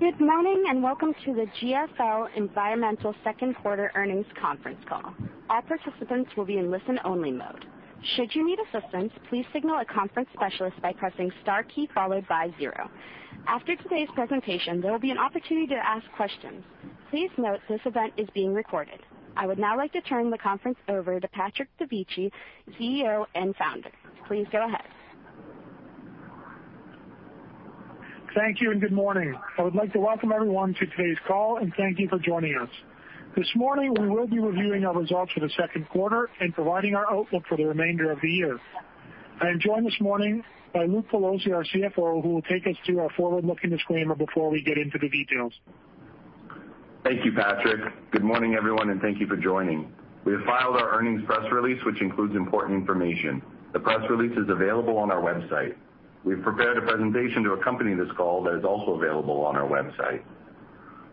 Good morning, welcome to the GFL Environmental second quarter earnings conference call. All participants will be in listen only mode. Should you need assistance, please signal a conference specialist by pressing star key followed by zero. After today's presentation, there will be an opportunity to ask questions. Please note this event is being recorded. I would now like to turn the conference over to Patrick Dovigi, CEO and Founder. Please go ahead. Thank you. Good morning. I would like to welcome everyone to today's call. Thank you for joining us. This morning, we will be reviewing our results for the second quarter and providing our outlook for the remainder of the year. I am joined this morning by Luke Pelosi, our CFO, who will take us through our forward-looking disclaimer before we get into the details. Thank you, Patrick. Good morning, everyone. Thank you for joining. We have filed our earnings press release, which includes important information. The press release is available on our website. We have prepared a presentation to accompany this call that is also available on our website.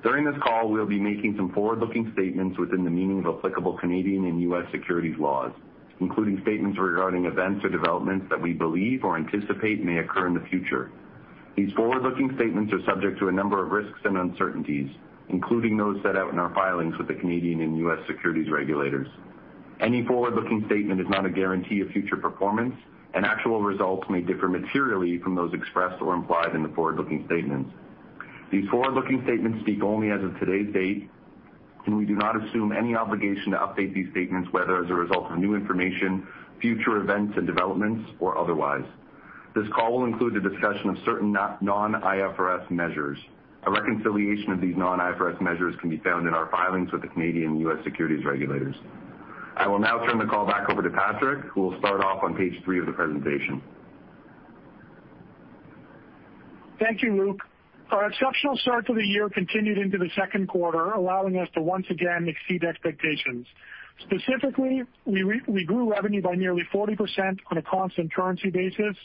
During this call, we will be making some forward-looking statements within the meaning of applicable Canadian and U.S. securities laws, including statements regarding events or developments that we believe or anticipate may occur in the future. These forward-looking statements are subject to a number of risks and uncertainties, including those set out in our filings with the Canadian and U.S. securities regulators. Any forward-looking statement is not a guarantee of future performance. Actual results may differ materially from those expressed or implied in the forward-looking statements. These forward-looking statements speak only as of today's date, and we do not assume any obligation to update these statements, whether as a result of new information, future events and developments, or otherwise. This call will include a discussion of certain non-IFRS measures. A reconciliation of these non-IFRS measures can be found in our filings with the Canadian and U.S. securities regulators. I will now turn the call back over to Patrick, who will start off on page three of the presentation. Thank you, Luke. Our exceptional start to the year continued into the second quarter, allowing us to once again exceed expectations. Specifically, we grew revenue by nearly 40% on a constant currency basis.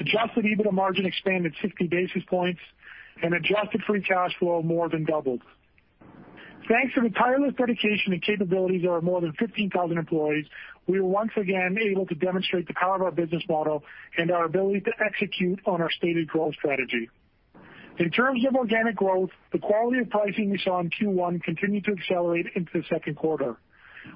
Adjusted EBITDA margin expanded 60 basis points, and adjusted free cash flow more than doubled. Thanks to the tireless dedication and capabilities of our more than 15,000 employees, we were once again able to demonstrate the power of our business model and our ability to execute on our stated growth strategy. In terms of organic growth, the quality of pricing we saw in Q1 continued to accelerate into the second quarter,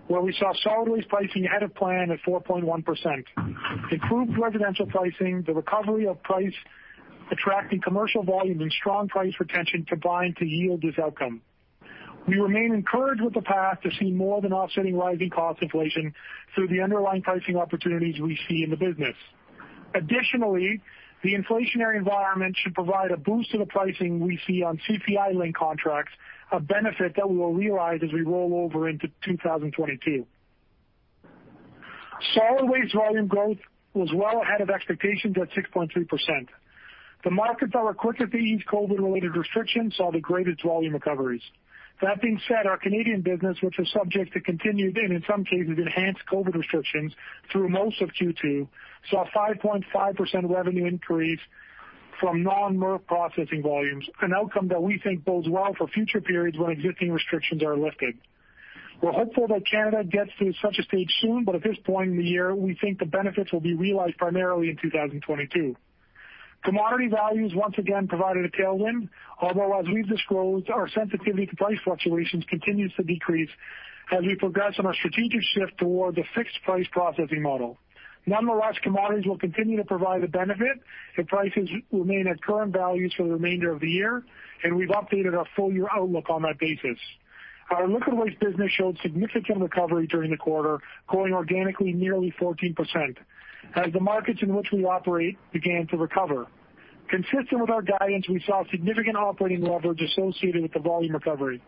where we saw solid waste pricing ahead of plan at 4.1%. Improved residential pricing, the recovery of price, attracting commercial volume, and strong price retention combined to yield this outcome. We remain encouraged with the path to see more than offsetting rising cost inflation through the underlying pricing opportunities we see in the business. Additionally, the inflationary environment should provide a boost to the pricing we see on CPI-linked contracts, a benefit that we will realize as we roll over into 2022. Solid waste volume growth was well ahead of expectations at 6.3%. The markets that were quicker to ease COVID-related restrictions saw the greatest volume recoveries. That being said, our Canadian business, which was subject to continued and in some cases enhanced COVID restrictions through most of Q2, saw a 5.5% revenue increase from non-MRF processing volumes, an outcome that we think bodes well for future periods when existing restrictions are lifted. We're hopeful that Canada gets to such a stage soon, but at this point in the year, we think the benefits will be realized primarily in 2022. Commodity values once again provided a tailwind, although as we've disclosed, our sensitivity to price fluctuations continues to decrease as we progress on our strategic shift toward the fixed-price processing model. Non-metalized commodities will continue to provide a benefit if prices remain at current values for the remainder of the year, and we've updated our full-year outlook on that basis. Our liquid waste business showed significant recovery during the quarter, growing organically nearly 14%, as the markets in which we operate began to recover. Consistent with our guidance, we saw significant operating leverage associated with the volume recovery.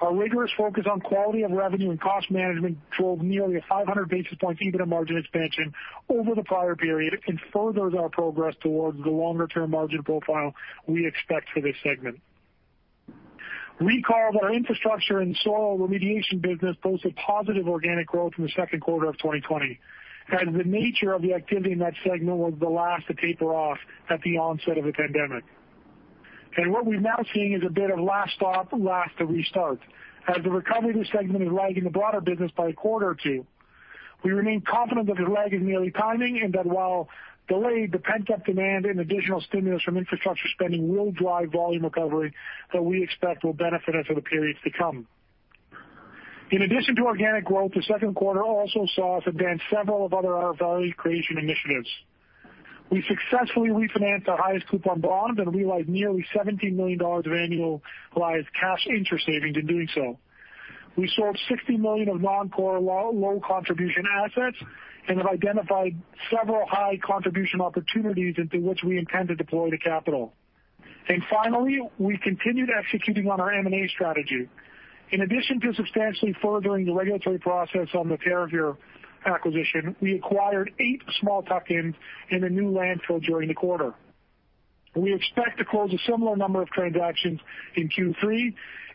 Our rigorous focus on quality of revenue and cost management drove nearly a 500 basis point EBITDA margin expansion over the prior period and furthers our progress towards the longer-term margin profile we expect for this segment. Recarb, our infrastructure and soil remediation business, posted positive organic growth in the second quarter of 2020, as the nature of the activity in that segment was the last to taper off at the onset of the pandemic. What we're now seeing is a bit of last stop, last to restart, as the recovery of this segment is lagging the broader business by a quarter or two. We remain confident that the lag is merely timing, and that while delayed, the pent-up demand and additional stimulus from infrastructure spending will drive volume recovery that we expect will benefit us in the periods to come. In addition to organic growth, the second quarter also saw us advance several of other value creation initiatives. We successfully refinanced our highest coupon bond and realized nearly 17 million dollars of annualized cash interest savings in doing so. We sold 60 million of non-core low contribution assets and have identified several high contribution opportunities into which we intend to deploy the capital. Finally, we continued executing on our M&A strategy. In addition to substantially furthering the regulatory process on the Terrapure acquisition, we acquired eight small tuck-ins in a new landfill during the quarter. We expect to close a similar number of transactions in Q3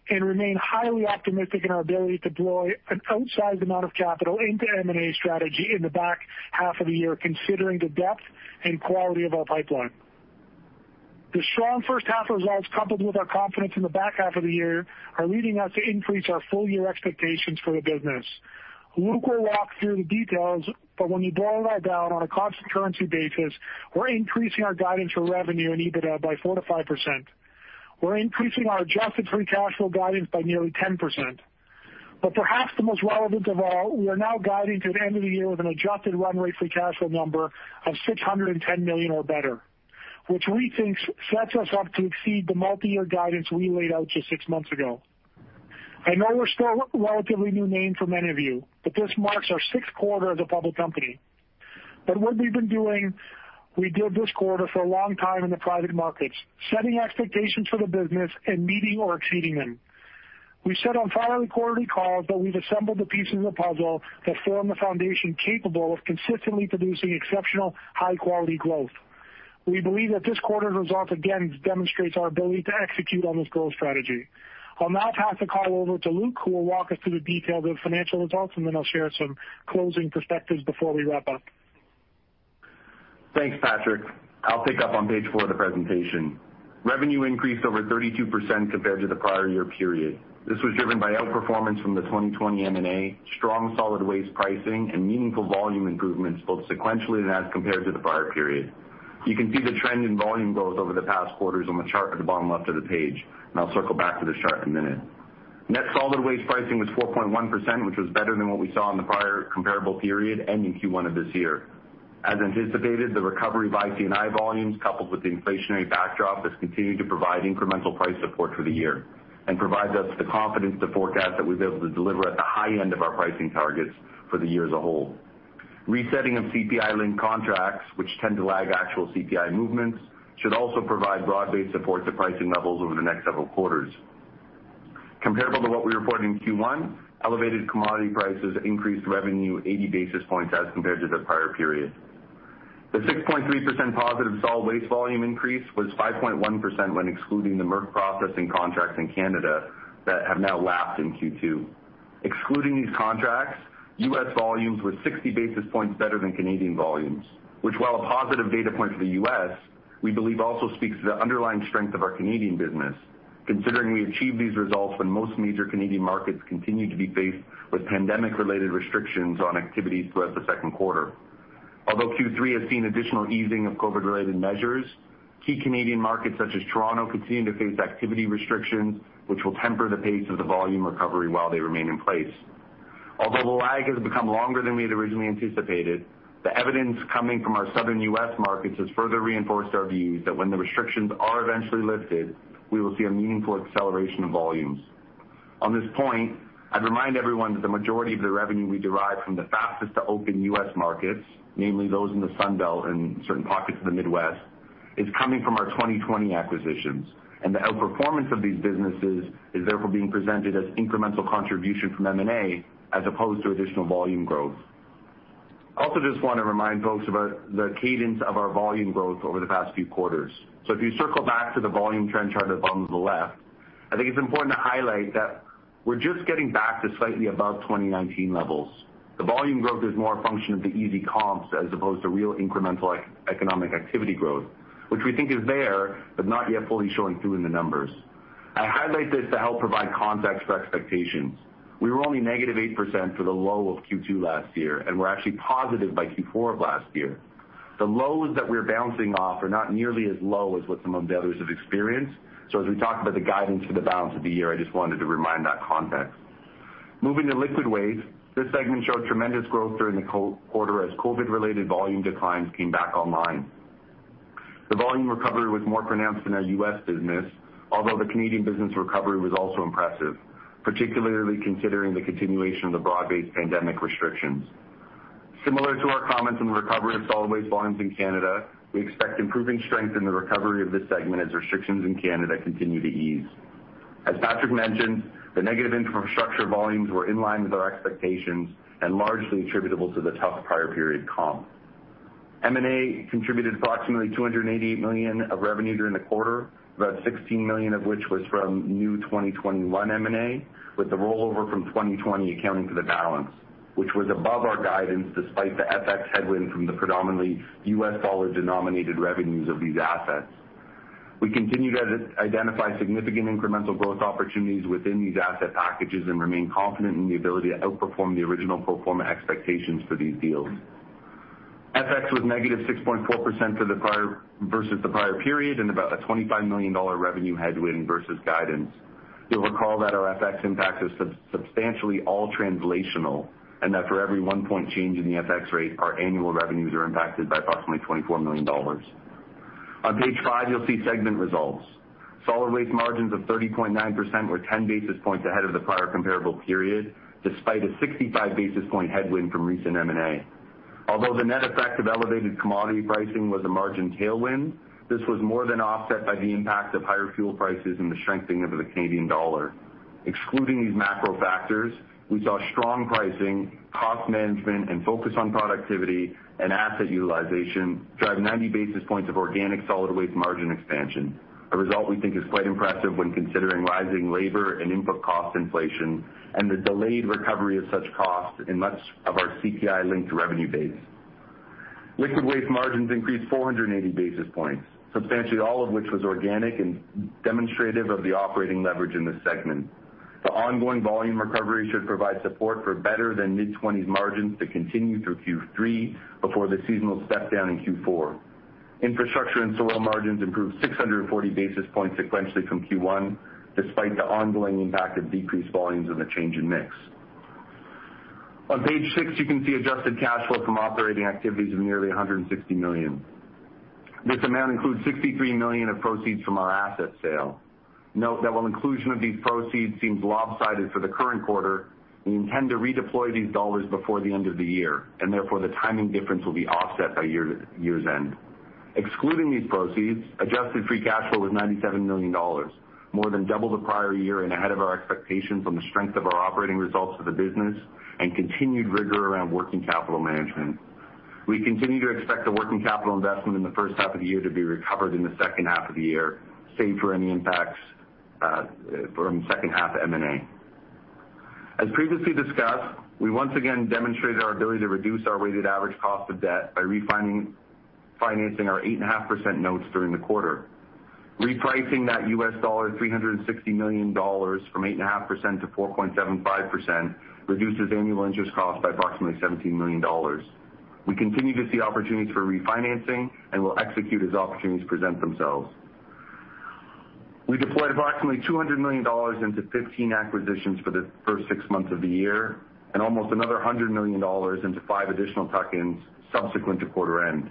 and remain highly optimistic in our ability to deploy an outsized amount of capital into M&A strategy in the back half of the year, considering the depth and quality of our pipeline. The strong first half results, coupled with our confidence in the back half of the year, are leading us to increase our full-year expectations for the business. Luke will walk through the details, but when you boil that down on a constant currency basis, we're increasing our guidance for revenue and EBITDA by 4%-5%. We're increasing our adjusted free cash flow guidance by nearly 10%. Perhaps the most relevant of all, we are now guiding to the end of the year with an adjusted run rate free cash flow number of 610 million or better, which we think sets us up to exceed the multi-year guidance we laid out just six months ago. I know we're still a relatively new name for many of you, but this marks our sixth quarter as a public company. What we've been doing, we did this quarter for a long time in the private markets, setting expectations for the business and meeting or exceeding them. We said on prior quarterly calls that we've assembled the pieces of the puzzle that form the foundation capable of consistently producing exceptional, high-quality growth. We believe that this quarter's results again demonstrates our ability to execute on this growth strategy. I'll now pass the call over to Luke, who will walk us through the details of the financial results, and then I'll share some closing perspectives before we wrap up. Thanks, Patrick. I'll pick up on page four of the presentation. Revenue increased over 32% compared to the prior year period. This was driven by outperformance from the 2020 M&A, strong solid waste pricing, and meaningful volume improvements, both sequentially and as compared to the prior period. You can see the trend in volume growth over the past quarters on the chart at the bottom left of the page, and I'll circle back to this chart in a minute. Net solid waste pricing was 4.1%, which was better than what we saw in the prior comparable period, ending Q1 of this year. As anticipated, the recovery of IC&I volumes, coupled with the inflationary backdrop, has continued to provide incremental price support for the year and provides us the confidence to forecast that we will be able to deliver at the high end of our pricing targets for the year as a whole. Resetting of CPI-linked contracts, which tend to lag actual CPI movements, should also provide broad-based support to pricing levels over the next several quarters. Comparable to what we reported in Q1, elevated commodity prices increased revenue 80 basis points as compared to the prior period. The 6.3% positive solid waste volume increase was 5.1% when excluding the MRF processing contracts in Canada that have now lapsed in Q2. Excluding these contracts, U.S. volumes were 60 basis points better than Canadian volumes, which while a positive data point for the U.S., we believe also speaks to the underlying strength of our Canadian business, considering we achieved these results when most major Canadian markets continued to be faced with pandemic-related restrictions on activities throughout the second quarter. Although Q3 has seen additional easing of COVID-related measures, key Canadian markets such as Toronto continue to face activity restrictions, which will temper the pace of the volume recovery while they remain in place. Although the lag has become longer than we had originally anticipated, the evidence coming from our Southern U.S. markets has further reinforced our views that when the restrictions are eventually lifted, we will see a meaningful acceleration of volumes. On this point, I'd remind everyone that the majority of the revenue we derive from the fastest-to-open U.S. markets, namely those in the Sun Belt and certain pockets of the Midwest, is coming from our 2020 acquisitions, and the outperformance of these businesses is therefore being presented as incremental contribution from M&A as opposed to additional volume growth. I also just want to remind folks about the cadence of our volume growth over the past few quarters. If you circle back to the volume trend chart at the bottom of the left, I think it's important to highlight that we're just getting back to slightly above 2019 levels. The volume growth is more a function of the easy comps as opposed to real incremental economic activity growth, which we think is there, but not yet fully showing through in the numbers. I highlight this to help provide context for expectations. We were only -8% for the low of Q2 last year, and we're actually positive by Q4 of last year. The lows that we're bouncing off are not nearly as low as what some of the others have experienced. As we talk about the guidance for the balance of the year, I just wanted to remind that context. Moving to liquid waste, this segment showed tremendous growth during the quarter as COVID-related volume declines came back online. The volume recovery was more pronounced in our U.S. business, although the Canadian business recovery was also impressive, particularly considering the continuation of the broad-based pandemic restrictions. Similar to our comments on the recovery of solid waste volumes in Canada, we expect improving strength in the recovery of this segment as restrictions in Canada continue to ease. As Patrick mentioned, the negative infrastructure volumes were in line with our expectations and largely attributable to the tough prior period comp. M&A contributed approximately $288 million of revenue during the quarter, about $16 million of which was from new 2021 M&A, with the rollover from 2020 accounting for the balance, which was above our guidance despite the FX headwind from the predominantly US dollar-denominated revenues of these assets. We continue to identify significant incremental growth opportunities within these asset packages and remain confident in the ability to outperform the original pro forma expectations for these deals. FX was negative 6.4% versus the prior period and about a 25 million dollar revenue headwind versus guidance. You'll recall that our FX impact is substantially all translational, and that for every one point change in the FX rate, our annual revenues are impacted by approximately 24 million dollars. On page five, you'll see segment results. Solid waste margins of 30.9% were 10 basis points ahead of the prior comparable period, despite a 65-basis point headwind from recent M&A. Although the net effect of elevated commodity pricing was a margin tailwind, this was more than offset by the impact of higher fuel prices and the strengthening of the Canadian dollar. Excluding these macro factors, we saw strong pricing, cost management, and focus on productivity and asset utilization drive 90 basis points of organic solid waste margin expansion, a result we think is quite impressive when considering rising labor and input cost inflation and the delayed recovery of such costs in much of our CPI-linked revenue base. Liquid waste margins increased 480 basis points, substantially all of which was organic and demonstrative of the operating leverage in the segment. The ongoing volume recovery should provide support for better-than-mid-20s margins to continue through Q3 before the seasonal step down in Q4. Infrastructure and soil margins improved 640 basis points sequentially from Q1, despite the ongoing impact of decreased volumes and the change in mix. On page six, you can see adjusted cash flow from operating activities of nearly 160 million. This amount includes 63 million of proceeds from our asset sale. Note that while inclusion of these proceeds seems lopsided for the current quarter, we intend to redeploy these dollars before the end of the year. Therefore, the timing difference will be offset by year's end. Excluding these proceeds, adjusted free cash flow was 97 million dollars, more than double the prior year and ahead of our expectations on the strength of our operating results for the business and continued rigor around working capital management. We continue to expect the working capital investment in the first half of the year to be recovered in the second half of the year, save for any impacts from second half M&A. As previously discussed, we once again demonstrated our ability to reduce our weighted average cost of debt by refinancing our 8.5% notes during the quarter. Repricing that $360 million from 8.5%-4.75% reduces annual interest cost by approximately $17 million. We continue to see opportunities for refinancing and will execute as opportunities present themselves. We deployed approximately 200 million dollars into 15 acquisitions for the first six months of the year, and almost another 100 million dollars into five additional tuck-ins subsequent to quarter end.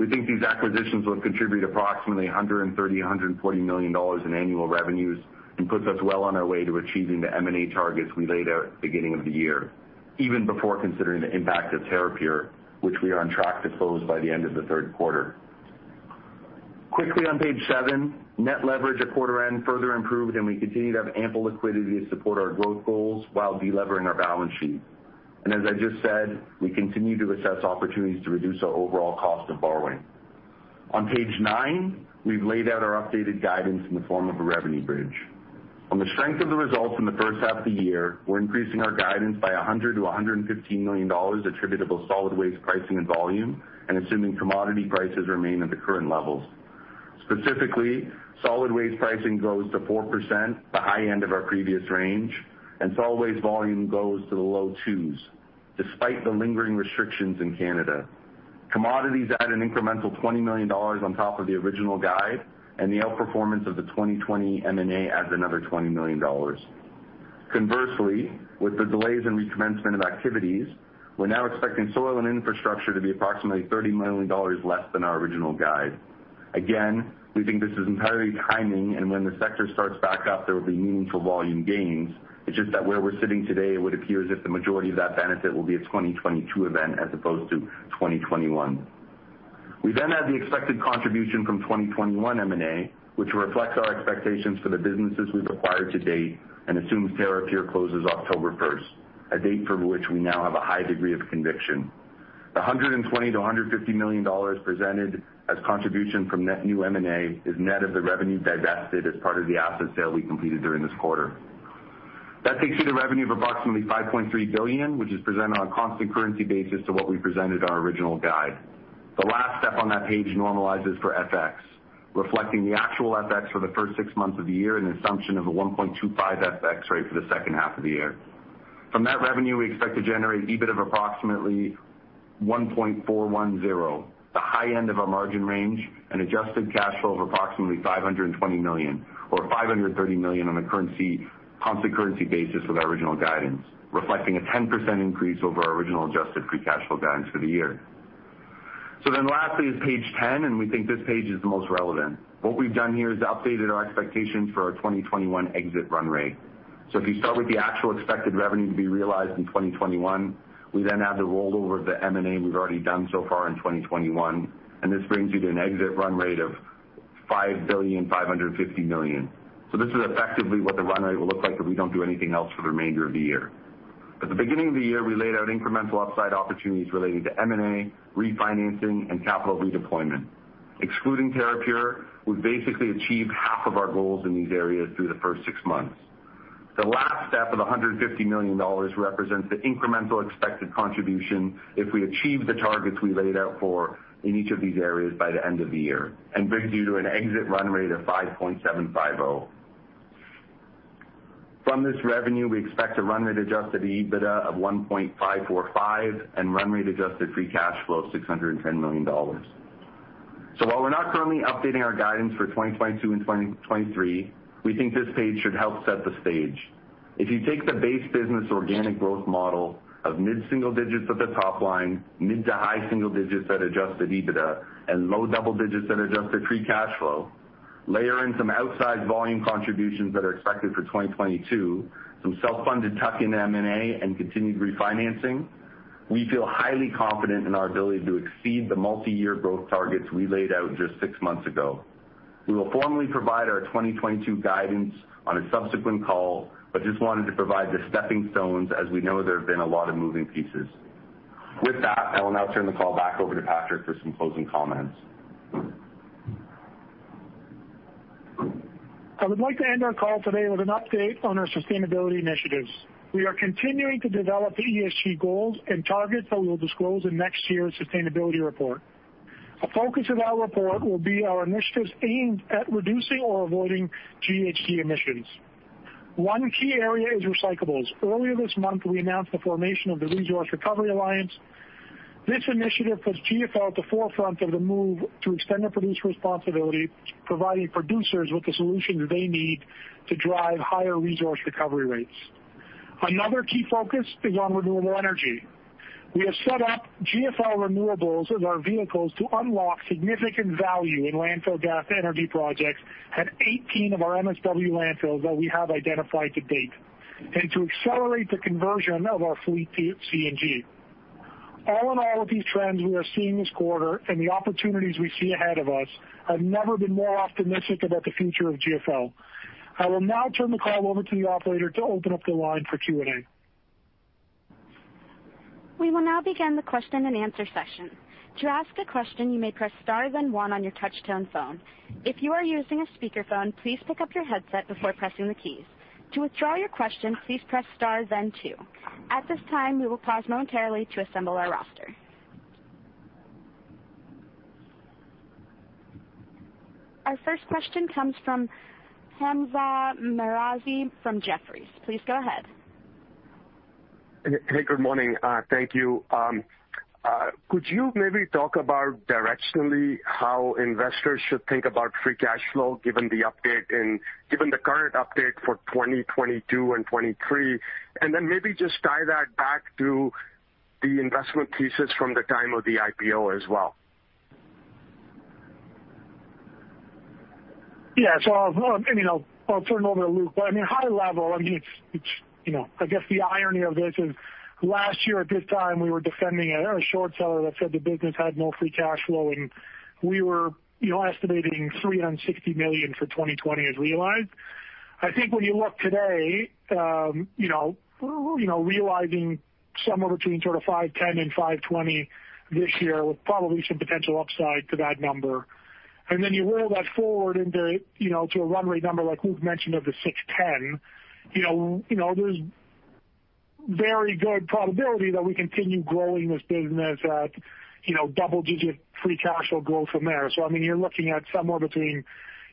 We think these acquisitions will contribute approximately 130 million, 140 million dollars in annual revenues, and puts us well on our way to achieving the M&A targets we laid out at the beginning of the year, even before considering the impact of Terrapure, which we are on track to close by the end of the third quarter. Quickly on page seven, net leverage at quarter end further improved, and we continue to have ample liquidity to support our growth goals while de-levering our balance sheet. As I just said, we continue to assess opportunities to reduce our overall cost of borrowing. On page nine, we've laid out our updated guidance in the form of a revenue bridge. On the strength of the results in the first half of the year, we're increasing our guidance by 100 million to 115 million dollars attributable to solid waste pricing and volume and assuming commodity prices remain at the current levels. Specifically, solid waste pricing grows to 4%, the high end of our previous range, and solid waste volume grows to the low 2s, despite the lingering restrictions in Canada. Commodities add an incremental 20 million dollars on top of the original guide, and the outperformance of the 2020 M&A adds another 20 million dollars. Conversely, with the delays in recommencement of activities, we're now expecting soil and infrastructure to be approximately 30 million dollars less than our original guide. Again, we think this is entirely timing, and when the sector starts back up, there will be meaningful volume gains. It's just that where we're sitting today, it would appear as if the majority of that benefit will be a 2022 event as opposed to 2021. We have the expected contribution from 2021 M&A, which reflects our expectations for the businesses we've acquired to date and assumes Terrapure closes October 1st, a date for which we now have a high degree of conviction. The 120 million-150 million dollars presented as contribution from net new M&A is net of the revenue divested as part of the asset sale we completed during this quarter. That takes you to revenue of approximately 5.3 billion, which is presented on a constant currency basis to what we presented our original guide. The last step on that page normalizes for FX, reflecting the actual FX for the first six months of the year and assumption of a 1.25 FX rate for the second half of the year. From that revenue, we expect to generate EBIT of approximately 1.410, the high end of our margin range, and adjusted cash flow of approximately 520 million or 530 million on a constant currency basis with our original guidance, reflecting a 10% increase over our original adjusted free cash flow guidance for the year. Lastly is page 10, and we think this page is the most relevant. What we've done here is updated our expectations for our 2021 exit run rate. If you start with the actual expected revenue to be realized in 2021, we then have to roll over the M&A we've already done so far in 2021, and this brings you to an exit run rate of 5.55 billion. This is effectively what the run rate will look like if we don't do anything else for the remainder of the year. At the beginning of the year, we laid out incremental upside opportunities relating to M&A, refinancing, and capital redeployment. Excluding Terrapure, we've basically achieved half of our goals in these areas through the first six months. The last step of the 150 million dollars represents the incremental expected contribution if we achieve the targets we laid out for in each of these areas by the end of the year and brings you to an exit run rate of 5.750 billion. From this revenue, we expect a run rate Adjusted EBITDA of 1.545 and run rate adjusted free cash flow of $610 million. While we're not currently updating our guidance for 2022 and 2023, we think this page should help set the stage. If you take the base business organic growth model of mid-single digits at the top line, mid to high single digits at Adjusted EBITDA, and low double digits at adjusted free cash flow, layer in some outside volume contributions that are expected for 2022, some self-funded tuck-in M&A and continued refinancing, we feel highly confident in our ability to exceed the multi-year growth targets we laid out just six months ago. We will formally provide our 2022 guidance on a subsequent call, just wanted to provide the stepping stones as we know there have been a lot of moving pieces. With that, I will now turn the call back over to Patrick for some closing comments. I would like to end our call today with an update on our sustainability initiatives. We are continuing to develop ESG goals and targets that we'll disclose in next year's sustainability report. A focus of our report will be our initiatives aimed at reducing or avoiding GHG emissions. One key area is recyclables. Earlier this month, we announced the formation of the Resource Recovery Alliance. This initiative puts GFL at the forefront of the move to extended producer responsibility, providing producers with the solutions they need to drive higher resource recovery rates. Another key focus is on renewable energy. We have set up GFL Renewables as our vehicles to unlock significant value in landfill gas energy projects at 18 of our MSW landfills that we have identified to date, and to accelerate the conversion of our fleet to CNG. All in all, with these trends we are seeing this quarter and the opportunities we see ahead of us, I've never been more optimistic about the future of GFL. I will now turn the call over to the operator to open up the line for Q&A. We will now begin the question-and-answer session. To ask a question you may press star then one on your touch-tone phone. If you are using a speakerphone, please pick up your headset before pressing the key. To withdraw your question please press star then two. At this time, we will pause momentarily to assemble our roster. Our first question comes from Hamzah Mazari from Jefferies. Please go ahead. Hey, good morning. Thank you. Could you maybe talk about directionally how investors should think about free cash flow given the current update for 2022 and 2023, and then maybe just tie that back to the investment thesis from the time of the IPO as well? Yeah. I'll turn it over to Luke. High level, I guess the irony of this is last year at this time, we were defending a short seller that said the business had no free cash flow, and we were estimating 360 million for 2020 as realized. I think when you look today, realizing somewhere between sort of 510 and 520 this year with probably some potential upside to that number, and then you roll that forward into a run rate number like Luke mentioned of the 610, there's very good probability that we continue growing this business at double-digit free cash flow growth from there. You're looking at somewhere between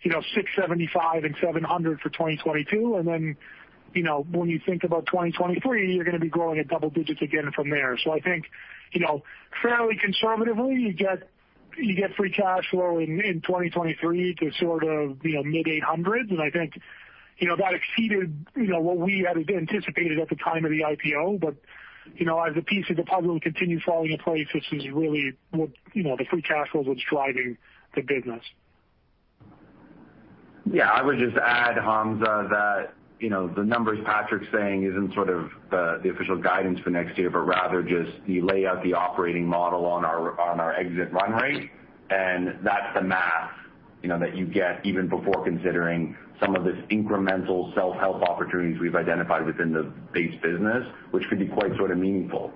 675 and 700 for 2022. When you think about 2023, you're going to be growing at double digits again from there. I think, fairly conservatively, you get free cash flow in 2023 to sort of CAD mid-800s. I think that exceeded what we had anticipated at the time of the IPO. As the pieces of the puzzle continue falling in place, this is really what the free cash flow is what's driving the business. Yeah, I would just add, Hamzah, that the numbers Patrick's saying isn't sort of the official guidance for next year, but rather just the layout of the operating model on our exit run rate. That's the math that you get even before considering some of this incremental self-help opportunities we've identified within the base business, which could be quite sort of meaningful.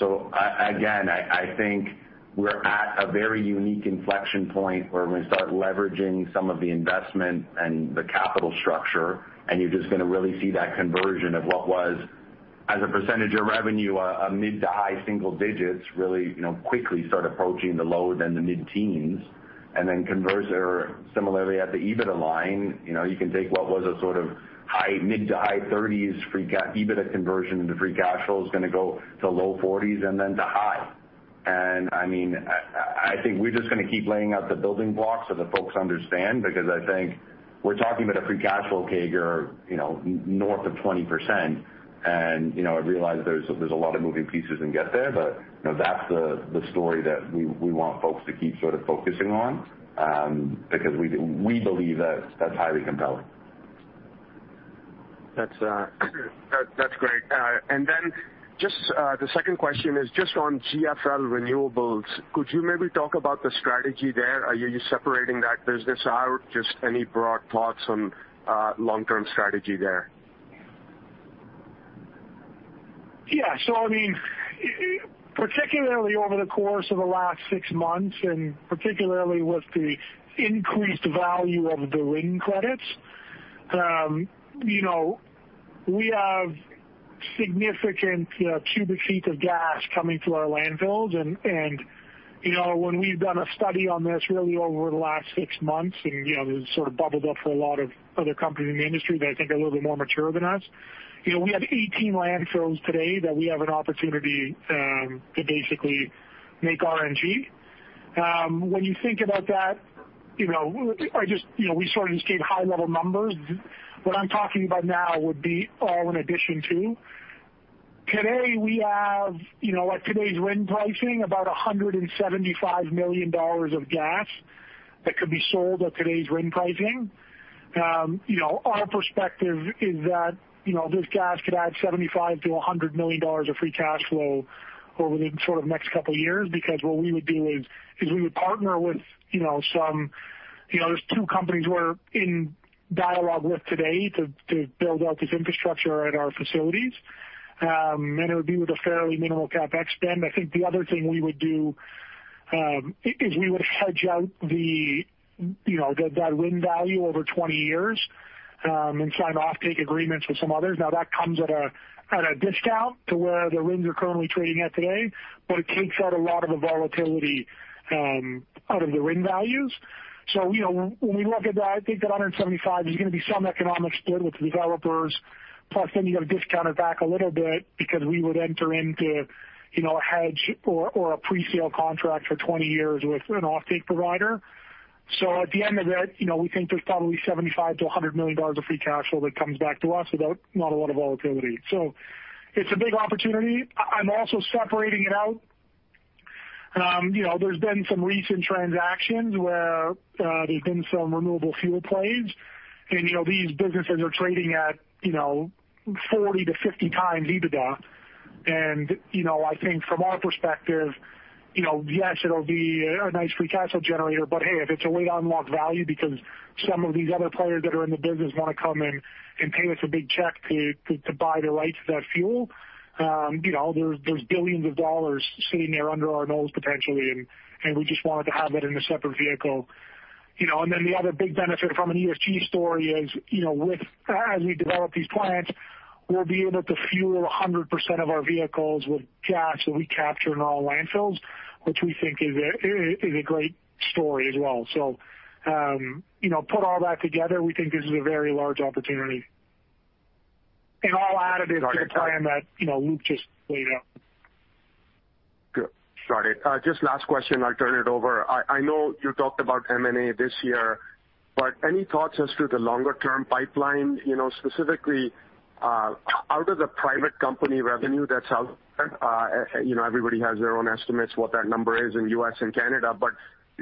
Again, I think we're at a very unique inflection point where we start leveraging some of the investment and the capital structure, and you're just going to really see that conversion of what was, as a percentage of revenue, a mid to high single digits really quickly start approaching the low then the mid-teens, and then similarly at the EBITDA line. You can take what was a sort of mid to high 30s free EBITDA conversion into free cash flow is going to go to low 40s and then to high. And I think we're just going to keep laying out the building blocks so that folks understand, because I think we're talking about a free cash flow CAGR north of 20%. And I realize there's a lot of moving pieces to get there, but that's the story that we want folks to keep sort of focusing on, because we believe that that's highly compelling. That's great. The second question is just on GFL Renewables. Could you maybe talk about the strategy there? Are you separating that business out? Just any broad thoughts on long-term strategy there. Yeah. Particularly over the course of the last six months, and particularly with the increased value of the RIN credits, we have significant cubic feet of gas coming through our landfills. When we've done a study on this really over the last six months, and this sort of bubbled up for a lot of other companies in the industry that I think are a little bit more mature than us. We have 18 landfills today that we have an opportunity to basically make RNG. When you think about that, we sort of just gave high-level numbers. What I'm talking about now would be all in addition to. Today, we have, at today's RIN pricing, about 175 million dollars of gas that could be sold at today's RIN pricing. Our perspective is that this gas could add 75 million-100 million dollars of free cash flow over the sort of next two years, because what we would do is we would partner with two companies we're in dialogue with today to build out this infrastructure at our facilities. It would be with a fairly minimal CapEx spend. I think the other thing we would do is, we would hedge out that RIN value over 20 years and sign offtake agreements with some others. That comes at a discount to where the RINs are currently trading at today, but it takes out a lot of the volatility out of the RIN values. When we look at that, I think that 175 million, there's going to be some economic split with the developers. Plus you got to discount it back a little bit because we would enter into a hedge or a pre-sale contract for 20 years with an offtake provider. At the end of it, we think there's probably 75 million-100 million dollars of free cash flow that comes back to us without a lot of volatility. It's a big opportunity. I'm also separating it out. There's been some recent transactions where there's been some renewable fuel plays, and these businesses are trading at 40x-50x EBITDA. I think from our perspective, yes, it'll be a nice free cash flow generator, but hey, if it's a way to unlock value because some of these other players that are in the business want to come in and pay us a big check to buy the rights to that fuel, there's billions dollars sitting there under our nose potentially, and we just wanted to have that in a separate vehicle. Then the other big benefit from an ESG story is, as we develop these plants, we'll be able to fuel 100% of our vehicles with gas that we capture in our landfills, which we think is a great story as well. Put all that together, we think this is a very large opportunity. All additive to the time that Luke just laid out. Good. Got it. Last question, I'll turn it over. I know you talked about M&A this year. Any thoughts as to the longer-term pipeline, specifically out of the private company revenue that's out there? Everybody has their own estimates what that number is in U.S. and Canada.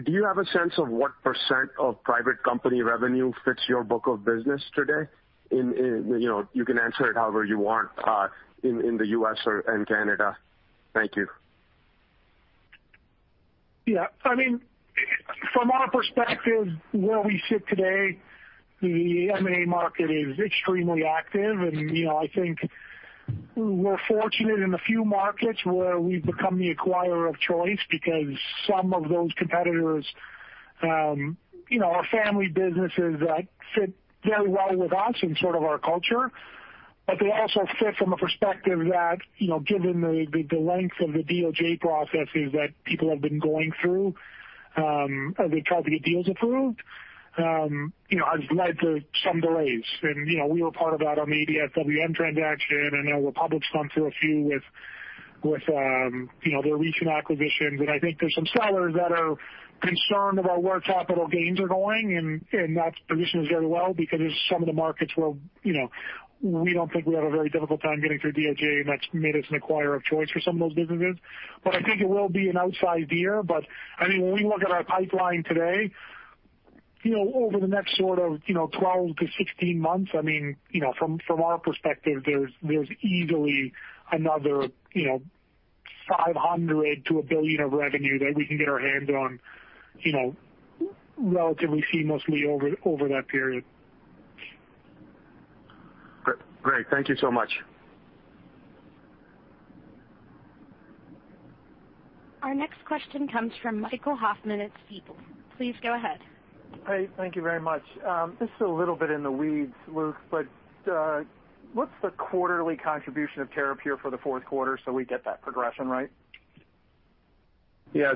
Do you have a sense of what percentage of private company revenue fits your book of business today in, you can answer it however you want, in the U.S. or in Canada. Thank you. Yeah. From our perspective, where we sit today, the M&A market is extremely active, I think we're fortunate in a few markets where we've become the acquirer of choice because some of those competitors are family businesses that fit very well with us and sort of our culture. They also fit from a perspective that, given the length of the DOJ processes that people have been going through as they try to get deals approved, has led to some delays. We were part of that on the media transaction, I know Republic's gone through a few with their recent acquisitions. I think there's some sellers that are concerned about where capital gains are going, and that positions us very well because some of the markets where we don't think we have a very difficult time getting through DOJ, and that's made us an acquirer of choice for some of those businesses. I think it will be an outside year. When we look at our pipeline today, over the next sort of 12-16 months, from our perspective, there's easily another 500 million-1 billion of revenue that we can get our hands on relatively seamlessly over that period. Great. Thank you so much. Our next question comes from Michael Hoffman at Stifel. Please go ahead. Hi. Thank you very much. This is a little bit in the weeds, Luke, but what's the quarterly contribution of Terrapure for the fourth quarter so we get that progression right?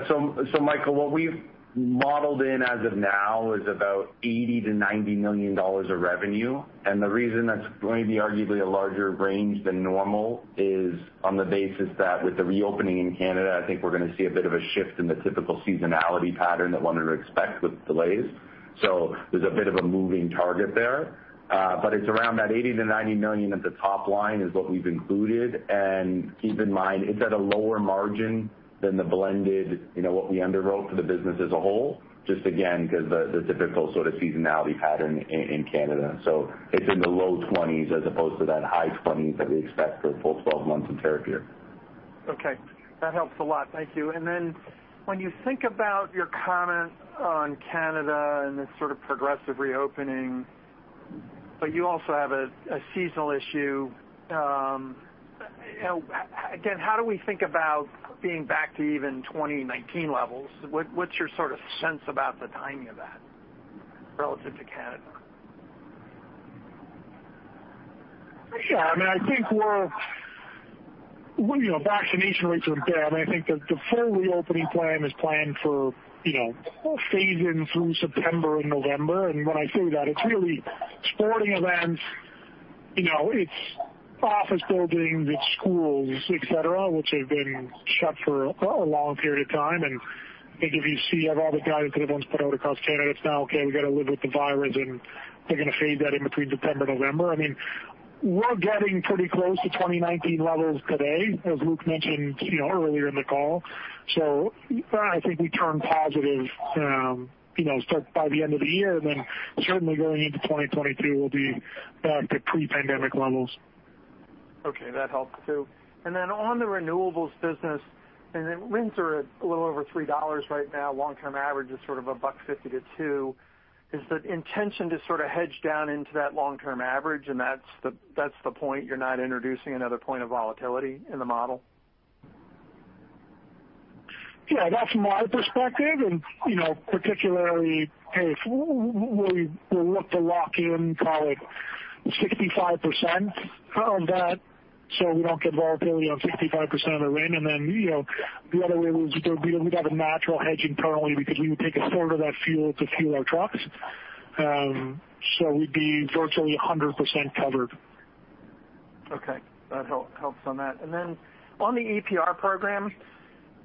Michael, what we've modeled in as of now is about 80 million-90 million dollars of revenue. The reason that's going to be arguably a larger range than normal is on the basis that with the reopening in Canada, I think we're going to see a bit of a shift in the typical seasonality pattern that one would expect with delays. There's a bit of a moving target there. It's around that 80 million-90 million at the top line is what we've included. Keep in mind, it's at a lower margin than the blended, what we underwrote for the business as a whole, just again, because the typical sort of seasonality pattern in Canada. It's in the low 20s as opposed to that high 20s that we expect for the full 12 months in Terrapure. Okay. That helps a lot. Thank you. When you think about your comments on Canada and this sort of progressive reopening, but you also have a seasonal issue. Again, how do we think about being back to even 2019 levels? What's your sort of sense about the timing of that relative to Canada? Yeah, vaccination rates are up there. I think the full reopening plan is planned for phase in through September and November. When I say that, it's really sporting events. It's office buildings, it's schools, et cetera, which have been shut for a long period of time. I think if you see of all the guidance that everyone's put out across Canada, it's now, okay, we got to live with the virus, and they're going to phase that in between September, November. We're getting pretty close to 2019 levels today, as Luke mentioned earlier in the call. I think we turn positive start by the end of the year, then certainly going into 2022, we'll be back to pre-pandemic levels. Okay. That helps, too. On the renewables business, RINs are at a little over 3 dollars right now. Long-term average is sort of a 1.50-2. Is the intention to sort of hedge down into that long-term average, and that's the point, you're not introducing another point of volatility in the model? That's my perspective, particularly if we look to lock in probably 65% of that so we don't get volatility on 65% of our RIN. The other way would be that we'd have a natural hedging currently because we would take a third of that fuel to fuel our trucks. We'd be virtually 100% covered. Okay. That helps on that. On the EPR program,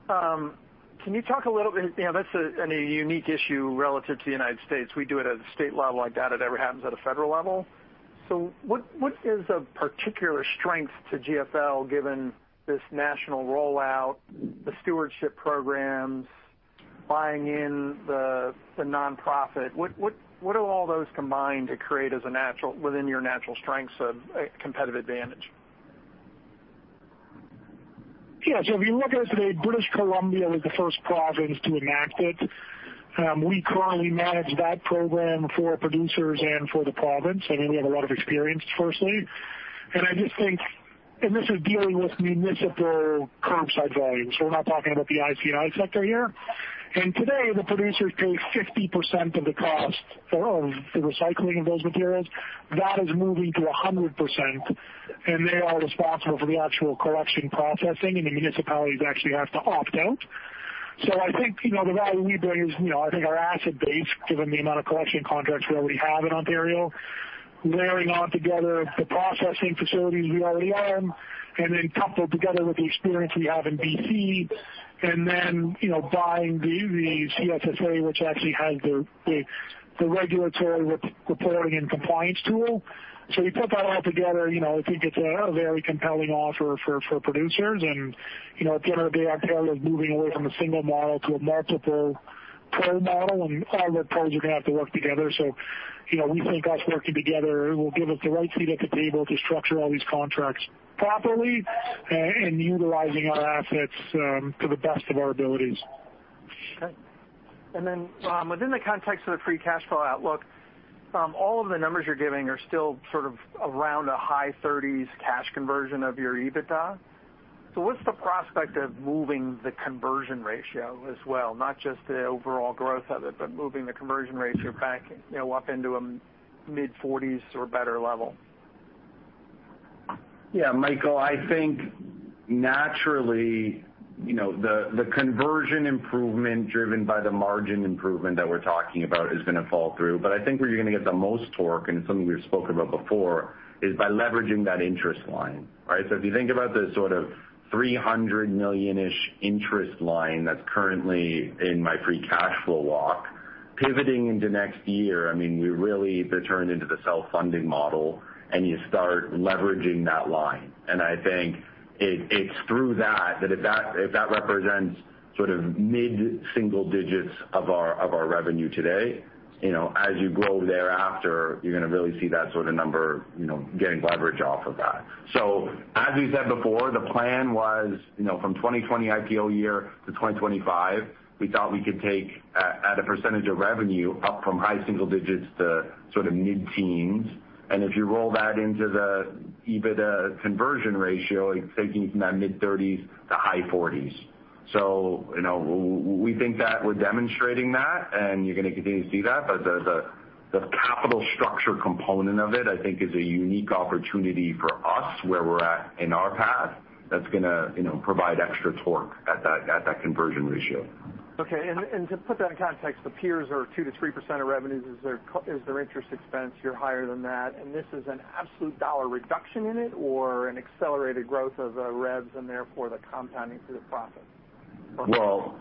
can you talk a little bit That's a unique issue relative to the United States. We do it at a state level, I doubt it ever happens at a federal level. What is a particular strength to GFL given this national rollout, the stewardship programs, buying in the nonprofit? What do all those combine to create within your natural strengths of competitive advantage? Yeah. If you look, as I said, British Columbia was the first province to enact it. We currently manage that program for producers and for the province, and we have a lot of experience firstly. This is dealing with municipal curbside volumes. We're not talking about the ICI sector here. Today, the producers pay 50% of the cost of the recycling of those materials. That is moving to 100%, and they are responsible for the actual collection processing, and the municipalities actually have to opt out. I think, the value we bring is, I think our asset base, given the amount of collection contracts we already have in Ontario, layering on together the processing facilities we already own, and then coupled together with the experience we have in B.C., and then, buying the CSSA, which actually has the regulatory reporting and compliance tool. You put that all together, I think it's a very compelling offer for producers, and at the end of the day, Ontario is moving away from a single model to a multiple pro model, and all the PROs are going to have to work together. We think us working together will give us the right seat at the table to structure all these contracts properly and utilizing our assets to the best of our abilities. Okay. Within the context of the free cash flow outlook, all of the numbers you're giving are still around a high 30s cash conversion of your EBITDA. What's the prospect of moving the conversion ratio as well, not just the overall growth of it, but moving the conversion ratio back up into a mid-40s or better level? Michael, I think naturally, the conversion improvement driven by the margin improvement that we're talking about is going to fall through. I think where you're going to get the most torque, and it's something we've spoken about before, is by leveraging that interest line. Right? If you think about the 300 million-ish interest line that's currently in my free cash flow walk, pivoting into next year, we really return into the self-funding model, and you start leveraging that line. I think it's through that if that represents mid-single digits of our revenue today, as you go thereafter, you're going to really see that sort of number getting leverage off of that. As we've said before, the plan was from 2020 IPO year to 2025, we thought we could take at a percentage of revenue up from high single digits to mid-teens. If you roll that into the EBITDA conversion ratio, it's taking from that mid-30s to high 40s. We think that we're demonstrating that, and you're going to continue to see that. The capital structure component of it, I think is a unique opportunity for us, where we're at in our path, that's going to provide extra torque at that conversion ratio. Okay. To put that in context, the peers are 2%-3% of revenues is their interest expense. You're higher than that, and this is an absolute dollar reduction in it or an accelerated growth of the revs and therefore the compounding through the profit? Well,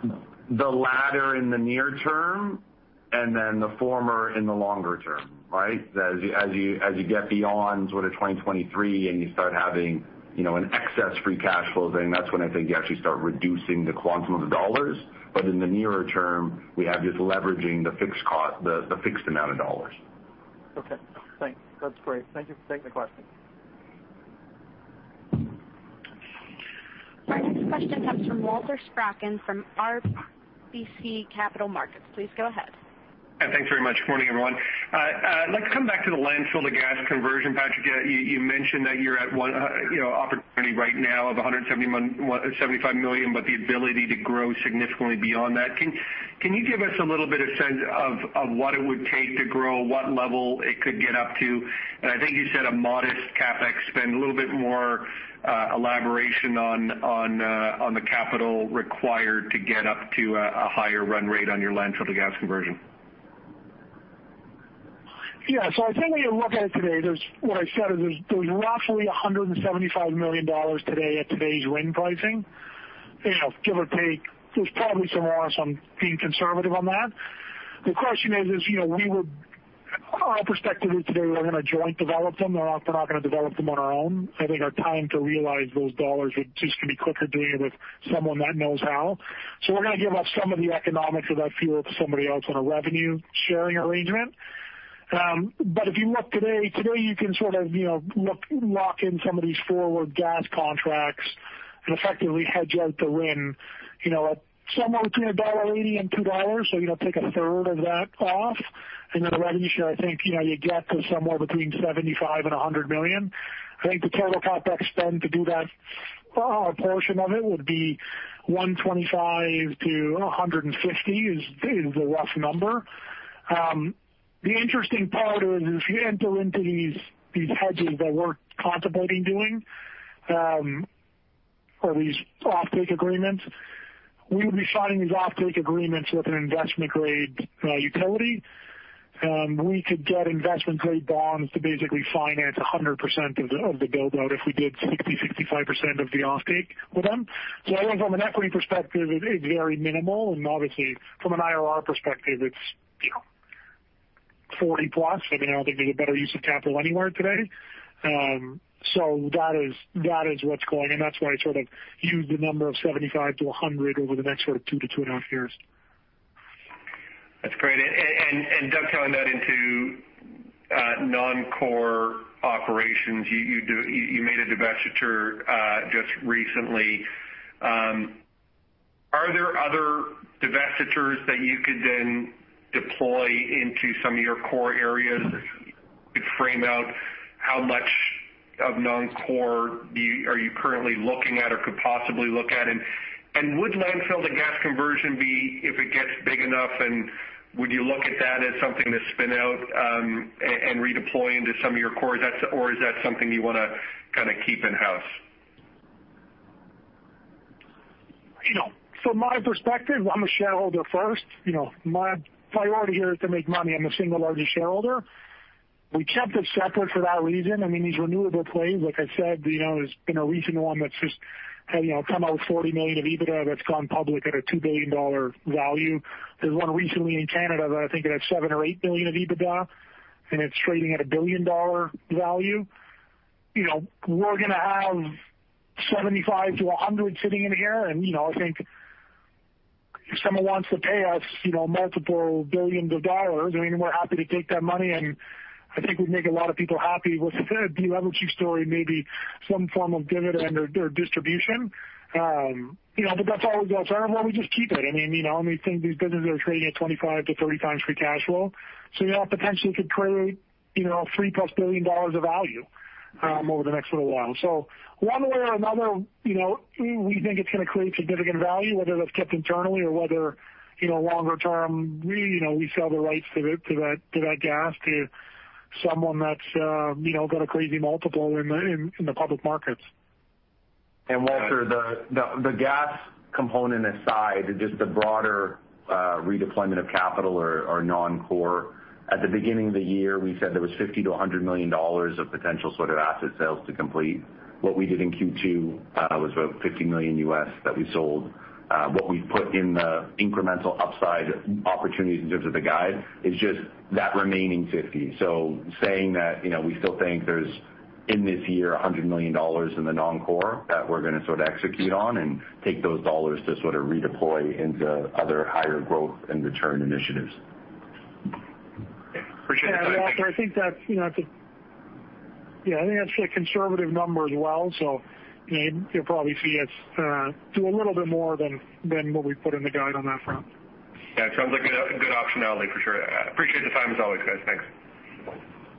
the latter in the near term, and then the former in the longer term. Right? As you get beyond 2023, and you start having an excess free cash flow thing, that's when I think you actually start reducing the quantum of the dollars. In the nearer term, we have just leveraging the fixed amount of dollars. Okay. Thanks. That's great. Thank you for taking the question. Our next question comes from Walter Spracklin from RBC Capital Markets. Please go ahead. Thanks very much. Morning, everyone. I'd like to come back to the landfill to gas conversion. Patrick Dovigi, you mentioned that you're at opportunity right now of 175 million, but the ability to grow significantly beyond that. Can you give us a little bit of sense of what it would take to grow, what level it could get up to? I think you said a modest CapEx spend, a little bit more elaboration on the capital required to get up to a higher run rate on your landfill to gas conversion. I think when you look at it today, what I said is there's roughly 175 million dollars today at today's RIN pricing. Give or take, there's probably some allowance on being conservative on that. The question is, our perspective is today we're going to joint develop them. We're not going to develop them on our own. I think our time to realize those dollars would just be quicker doing it with someone that knows how. We're going to give up some of the economics of that fuel to somebody else on a revenue sharing arrangement. If you look today you can lock in some of these forward gas contracts and effectively hedge out the RIN, somewhere between dollar 1.80 and 2 dollars. Take 1/3 of that off, and then the revenue share, I think, you get to somewhere between 75 million and 100 million. I think the total CapEx spend to do that. A portion of it would be 125 million-150 million is a rough number. The interesting part is if you enter into these hedges that we're contemplating doing, or these offtake agreements, we would be signing these offtake agreements with an investment-grade utility. We could get investment-grade bonds to basically finance 100% of the build-out if we did 60%-65% of the offtake with them. I think from an equity perspective, it is very minimal, and obviously from an IRR perspective, it's 40+. I don't think there's a better use of capital anywhere today. That is what's going, and that's why I sort of used the number of 75 million-100 million over the next two to two and a half years. That's great. Dovetailing that into non-core operations, you made a divestiture just recently. Are there other divestitures that you could then deploy into some of your core areas to frame out how much of non-core are you currently looking at or could possibly look at? Would landfill to gas conversion be, if it gets big enough, would you look at that as something to spin out and redeploy into some of your core? Or is that something you want to keep in-house? From my perspective, I'm a shareholder first. My priority here is to make money. I'm the single largest shareholder. We kept it separate for that reason. These renewable plays, like I said, there's been a recent one that's just come out with 40 million of EBITDA that's gone public at a 2 billion dollar value. There's one recently in Canada that I think had 7 billion or 8 billion of EBITDA, and it's trading at a 1 billion-dollar value. We're going to have 75 million-100 million sitting in here, and I think if someone wants to pay us multiple billions of dollars, we're happy to take that money. I think we'd make a lot of people happy with a de-leveraging story, maybe some form of dividend or distribution. But that's always the alternative, or we just keep it. These businesses are trading at 25x-30x free cash flow. Potentially it could create 3+ billion dollars of value over the next little while. One way or another, we think it's going to create significant value, whether that's kept internally or whether, longer term, we sell the rights to that gas to someone that's got a crazy multiple in the public markets. Walter, the gas component aside, just the broader redeployment of capital or non-core. At the beginning of the year, we said there was 50 million-100 million dollars of potential asset sales to complete. What we did in Q2 was about $50 million U.S. that we sold. What we've put in the incremental upside opportunities in terms of the guide is just that remaining 50 million. Saying that, we still think there's, in this year, 100 million dollars in the non-core that we're going to execute on and take those dollars to redeploy into other higher growth and return initiatives. Appreciate the time. Yeah, I think that's a conservative number as well. You'll probably see us do a little bit more than what we put in the guide on that front. Yeah, it sounds like a good optionality for sure. Appreciate the time, as always, guys. Thanks.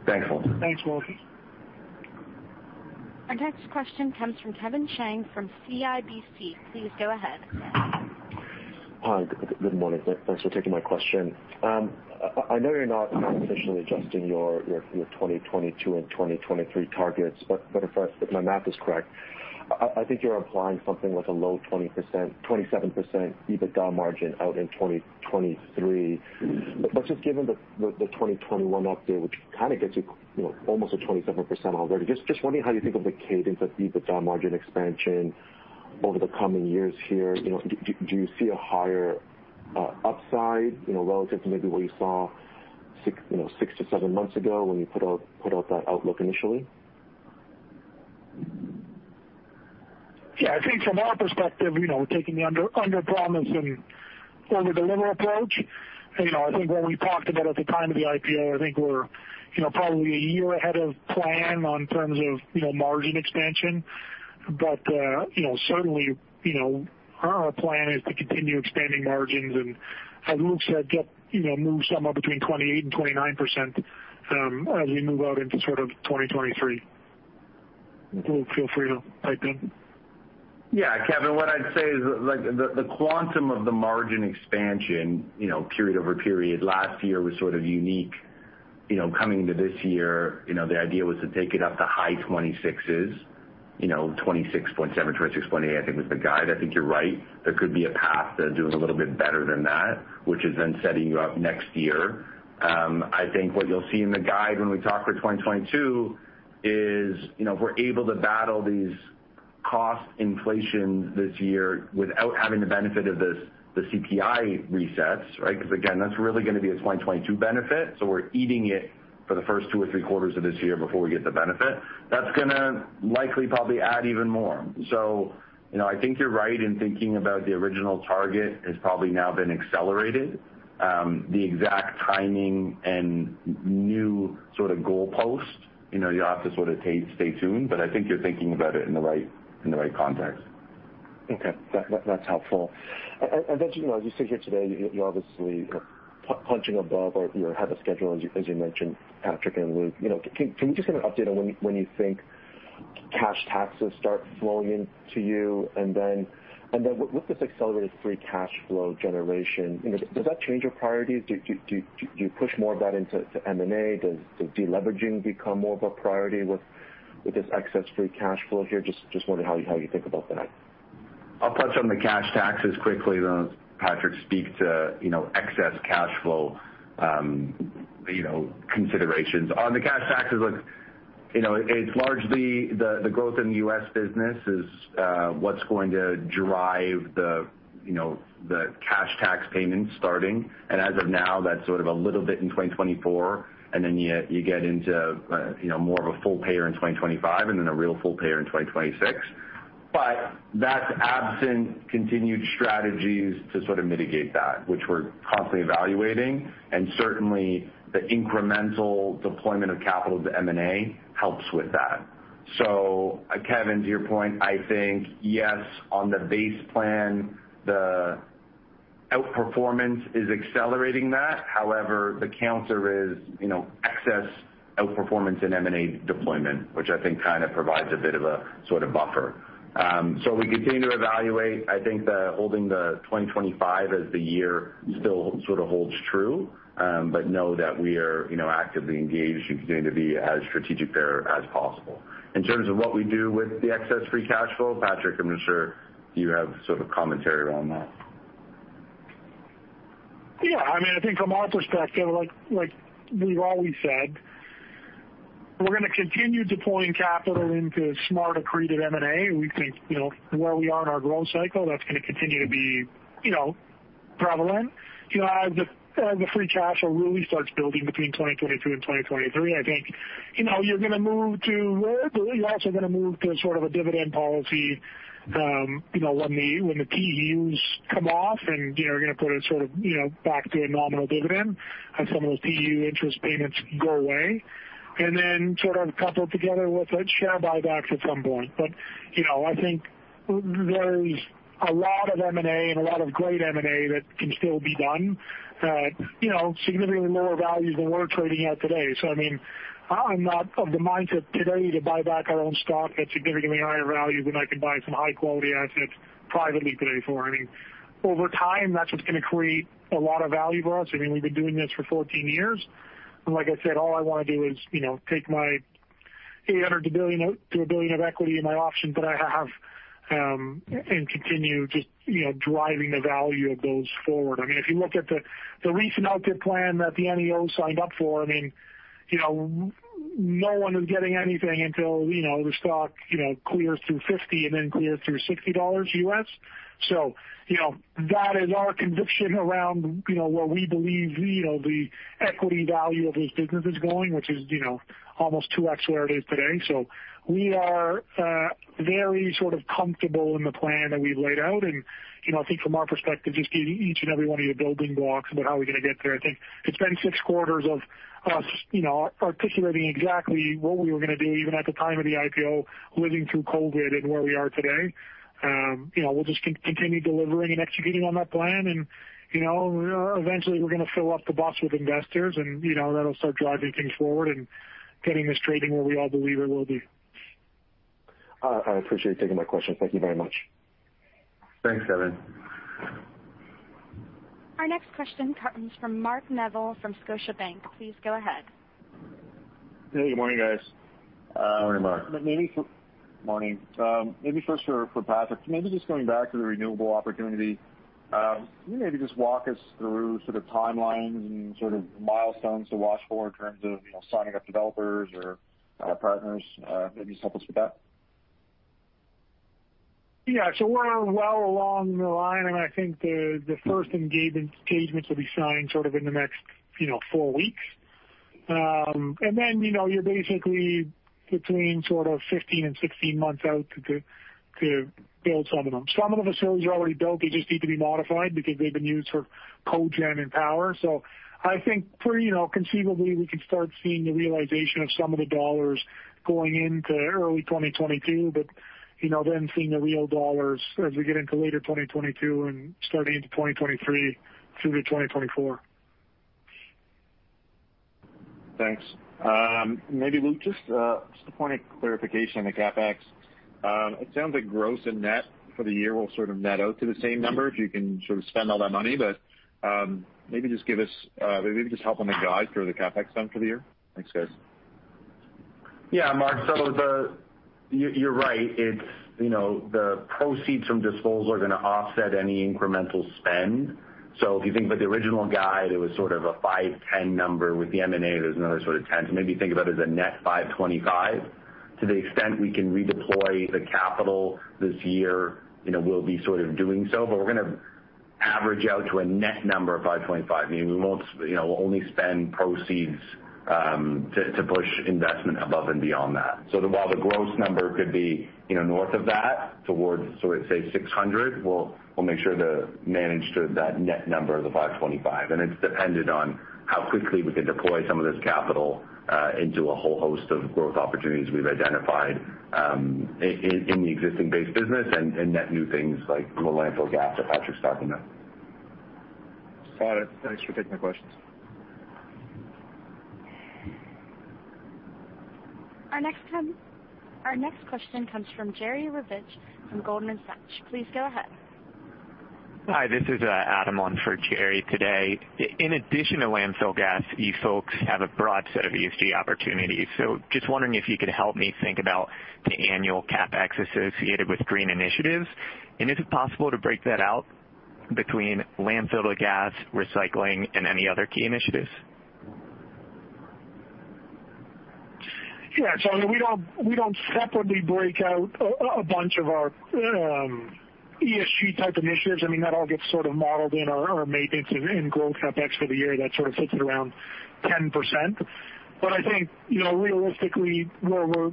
Thanks, Walter. Thanks, Walter. Our next question comes from Kevin Chiang from CIBC. Please go ahead. Hi. Good morning. Thanks for taking my question. I know you're not officially adjusting your 2022 and 2023 targets. If my math is correct, I think you're implying something with a low 27% EBITDA margin out in 2023. Just given the 2021 update, which kind of gets you almost to 27% already, just wondering how you think of the cadence of EBITDA margin expansion over the coming years here. Do you see a higher upside, relative to maybe what you saw six to seven months ago when you put out that outlook initially? Yeah, I think from our perspective, we're taking the underpromise and overdeliver approach. I think what we talked about at the time of the IPO, I think we're probably a year ahead of plan on terms of margin expansion. Certainly, our plan is to continue expanding margins and as Luke said, move somewhere between 28% and 29% as we move out into 2023. Luke, feel free to pipe in. Yeah. Kevin, what I'd say is the quantum of the margin expansion, period over period last year was sort of unique. Coming into this year, the idea was to take it up to high 26%s, 26.7%, 26.8%, I think was the guide. I think you're right. There could be a path to doing a little bit better than that, which is then setting you up next year. I think what you'll see in the guide when we talk for 2022 is, if we're able to battle these cost inflations this year without having the benefit of the CPI resets, right? Again, that's really going to be a 2022 benefit. We're eating it for the first two or three quarters of this year before we get the benefit. That's going to likely probably add even more. I think you're right in thinking about the original target has probably now been accelerated. The exact timing and new goal post, you'll have to stay tuned, but I think you're thinking about it in the right context. Okay. That's helpful. I imagine, as you sit here today, you're obviously punching above or ahead of schedule, as you mentioned, Patrick and Luke. Can you just give an update on when you think cash taxes start flowing into you, and then with this accelerated free cash flow generation, does that change your priorities? Do you push more of that into M&A? Does de-leveraging become more of a priority with this excess free cash flow here? Just wondering how you think about that. I'll touch on the cash taxes quickly, then let Patrick speak to excess cash flow considerations. On the cash taxes, it's largely the growth in the U.S. business is what's going to drive the cash tax payments starting. As of now, that's sort of a little bit in 2024, then you get into more of a full payer in 2025, and then a real full payer in 2026. That's absent continued strategies to sort of mitigate that, which we're constantly evaluating, and certainly the incremental deployment of capital to M&A helps with that. Kevin, to your point, I think, yes, on the base plan, the outperformance is accelerating that. However, the counter is excess outperformance in M&A deployment, which I think kind of provides a bit of a sort of buffer. We continue to evaluate. I think that holding the 2025 as the year still sort of holds true. Know that we are actively engaged and continue to be as strategic there as possible. In terms of what we do with the excess free cash flow, Patrick, I'm not sure you have sort of commentary around that. Yeah, I think from our perspective, like we've always said, we're going to continue deploying capital into smart accretive M&A. We think where we are in our growth cycle, that's going to continue to be prevalent. As the free cash flow really starts building between 2022 and 2023, I think you're also going to move to sort of a dividend policy when the TEUs come off, and you're going to put it sort of back to a nominal dividend as some of those TEU interest payments go away. Sort of couple it together with share buybacks at some point. I think there's a lot of M&A and a lot of great M&A that can still be done at significantly lower values than we're trading at today. I'm not of the mindset today to buy back our own stock at significantly higher values when I can buy some high-quality assets privately today for. Over time, that's what's going to create a lot of value for us. We've been doing this for 14 years. Like I said, all I want to do is take my 800 million-1 billion of equity in my options that I have and continue just driving the value of those forward. If you look at the recent output plan that the NEO signed up for, no one is getting anything until the stock clears through 50 and then clears through $60 U.S. That is our conviction around where we believe the equity value of this business is going, which is almost 2x where it is today. We are very sort of comfortable in the plan that we've laid out, and I think from our perspective, just giving each and every one of you building blocks about how we're going to get there. I think it's been six quarters of us articulating exactly what we were going to do, even at the time of the IPO, living through COVID and where we are today. We'll just continue delivering and executing on that plan, and eventually we're going to fill up the bus with investors, and that'll start driving things forward and getting this trading where we all believe it will be. I appreciate you taking my question. Thank you very much. Thanks, Kevin. Our next question comes from Mark Neville from Scotiabank. Please go ahead. Hey, good morning, guys. Good morning, Mark. Morning. Maybe first for Patrick, maybe just going back to the renewable opportunity. Can you maybe just walk us through sort of timelines and sort of milestones to watch for in terms of signing up developers or partners? Maybe just help us with that. Yeah. We're well along the line. I think the first engagement will be signed sort of in the next four weeks. You're basically between sort of 15 and 16 months out to build some of them. Some of the facilities are already built, they just need to be modified because they've been used for cogen and power. I think pretty conceivably, we could start seeing the realization of some of the CAD dollars going into early 2022. Seeing the real CAD dollars as we get into later 2022 and starting into 2023 through to 2024. Thanks. Maybe, Luke, just a point of clarification on the CapEx. It sounds like gross and net for the year will sort of net out to the same number if you can sort of spend all that money. Maybe just help on the guide for the CapEx spend for the year. Thanks, guys. Yeah, Mark. You're right. The proceeds from disposal are going to offset any incremental spend. If you think about the original guide, it was sort of a 510 number. With the M&A, there's another sort of 10. Maybe think about it as a net 525. To the extent we can redeploy the capital this year, we'll be sort of doing so. We're going to average out to a net number of 525. We'll only spend proceeds to push investment above and beyond that. While the gross number could be north of that, towards, say, 600, we'll make sure to manage to that net number of the 525. It's dependent on how quickly we can deploy some of this capital into a whole host of growth opportunities we've identified in the existing base business and net new things like landfill gas that Patrick's talking about. Got it. Thanks for taking my questions. Our next question comes from Jerry Revich from Goldman Sachs. Please go ahead. Hi, this is Adam Wyden on for Jerry Revich today. In addition to landfill gas, you folks have a broad set of ESG opportunities. Just wondering if you could help me think about the annual CapEx associated with green initiatives, and is it possible to break that out between landfill gas, recycling, and any other key initiatives? Yeah. We don't separately break out a bunch of our ESG type initiatives. That all gets sort of modeled in our maintenance and growth CapEx for the year that sits at around 10%. I think, realistically, where we're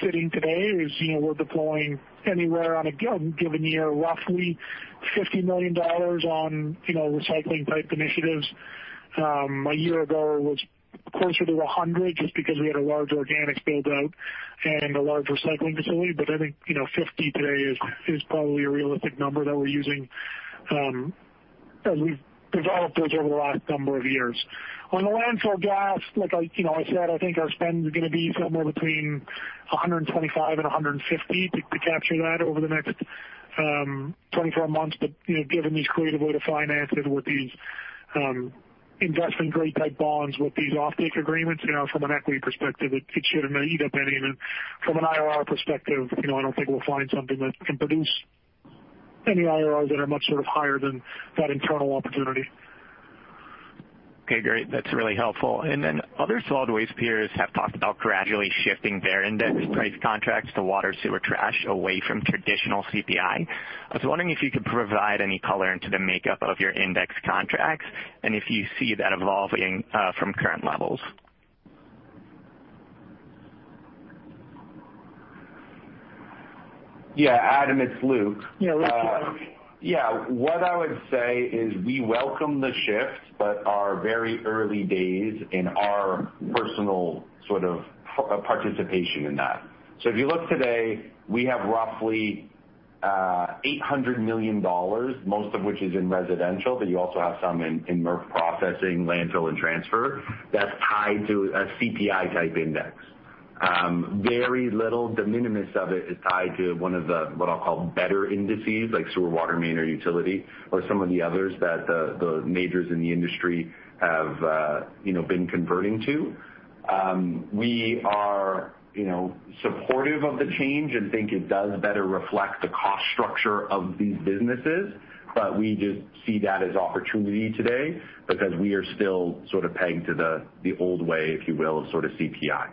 sitting today is we're deploying anywhere on a given year, roughly 50 million dollars on recycling type initiatives. A year ago, it was closer to 100 just because we had a large organics build-out and a large recycling facility. I think 50 today is probably a realistic number that we're using, as we've developed those over the last number of years. On the landfill gas, like I said, I think our spend is going to be somewhere between 125 and 150 to capture that over the next 24 months. Given these creative way to finance it with these investment grade type bonds, with these offtake agreements, from an equity perspective, it should eat up any. From an IRR perspective, I don't think we'll find something that can produce any IRRs that are much sort of higher than that internal opportunity. Okay, great. That's really helpful. Other solid waste peers have talked about gradually shifting their index price contracts to water, sewer, trash away from traditional CPI. I was wondering if you could provide any color into the makeup of your index contracts and if you see that evolving from current levels. Yeah, Adam, it's Luke. Yeah, Luke. Yeah. What I would say is we welcome the shift, but are very early days in our personal participation in that. If you look today, we have roughly 800 million dollars, most of which is in residential, but you also have some in MRF processing, landfill, and transfer, that's tied to a CPI type index. Very little, de minimis of it is tied to one of the, what I'll call better indices like sewer, water main, or utility, or some of the others that the majors in the industry have been converting to. We are supportive of the change and think it does better reflect the cost structure of these businesses. We just see that as opportunity today because we are still sort of pegged to the old way, if you will, of CPI.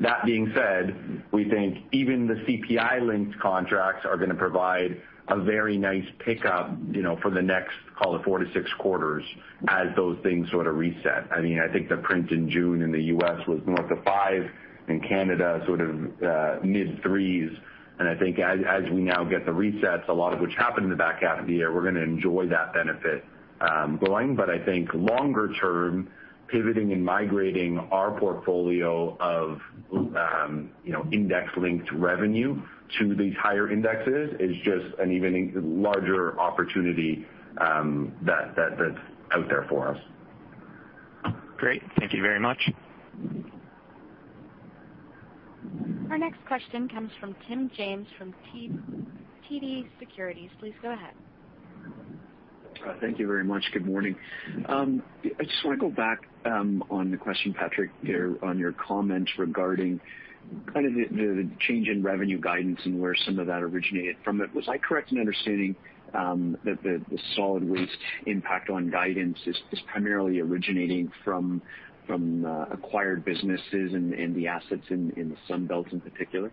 That being said, we think even the CPI-linked contracts are going to provide a very nice pickup for the next, call it four to six quarters as those things sort of reset. I think the print in June in the U.S. was north of five, in Canada, sort of mid threes. I think as we now get the resets, a lot of which happened in the back half of the year, we're going to enjoy that benefit going. I think longer-term pivoting and migrating our portfolio of index-linked revenue to these higher indexes is just an even larger opportunity that's out there for us. Great. Thank you very much. Our next question comes from Tim James from TD Securities. Please go ahead. Thank you very much. Good morning. I just want to go back on the question, Patrick, on your comment regarding kind of the change in revenue guidance and where some of that originated from. Was I correct in understanding that the solid waste impact on guidance is primarily originating from acquired businesses and the assets in the Sun Belt in particular?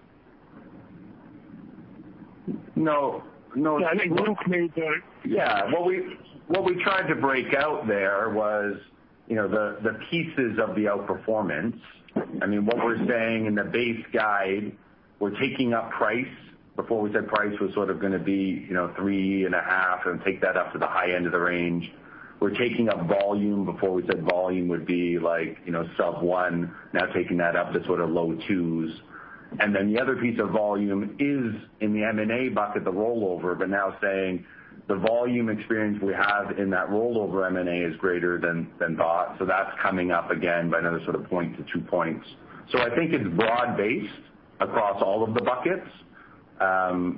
No. I think Luke made the. What we tried to break out there was the pieces of the outperformance. What we are saying in the base guide, we are taking up price. Before we said price was sort of going to be 3.5%, and take that up to the high end of the range. We are taking up volume. Before we said volume would be sub 1%, now taking that up to low twos. The other piece of volume is in the M&A bucket, the rollover, but now saying the volume experience we have in that rollover M&A is greater than thought. That is coming up again by another 1-2 points. I think it is broad based across all of the buckets,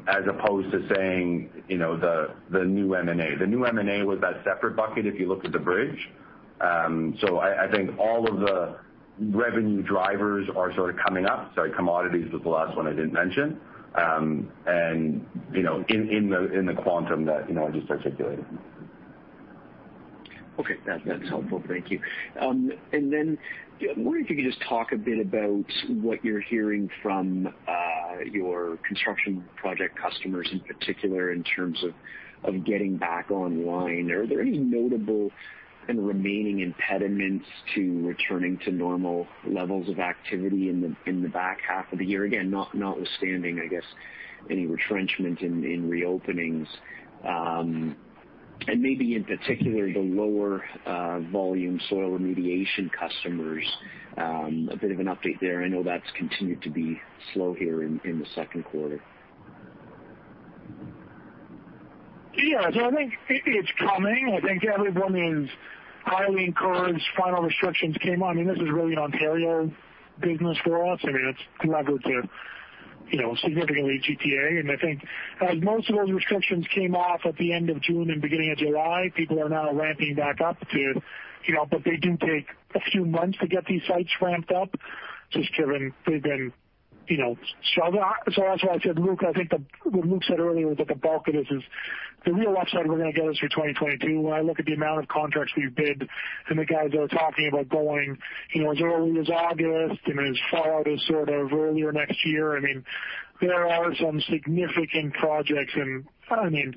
as opposed to saying the new M&A. The new M&A was that separate bucket if you looked at the bridge. I think all of the revenue drivers are sort of coming up. Sorry, commodities was the last one I didn't mention in the quantum that I just articulated. Okay. That's helpful. Thank you. I wonder if you could just talk a bit about what you're hearing from your construction project customers in particular in terms of getting back online. Are there any notable and remaining impediments to returning to normal levels of activity in the back half of the year? Again, notwithstanding, I guess, any retrenchment in reopenings, and maybe in particular, the lower volume soil remediation customers, a bit of an update there. I know that's continued to be slow here in the second quarter. Yeah. I think it's coming. I think everyone is highly encouraged. Final restrictions came on, and this is really an Ontario business for us. It's leveraged to significantly GTA, and I think as most of those restrictions came off at the end of June and beginning of July, people are now ramping back up. They do take a few months to get these sites ramped up, just given they've been struggling. That's why I said, Luke, I think what Luke said earlier was that the bulk of this is the real upside we're going to get is through 2022. When I look at the amount of contracts we've bid and the guys that are talking about going as early as August and as far out as sort of earlier next year, there are some significant projects and CAD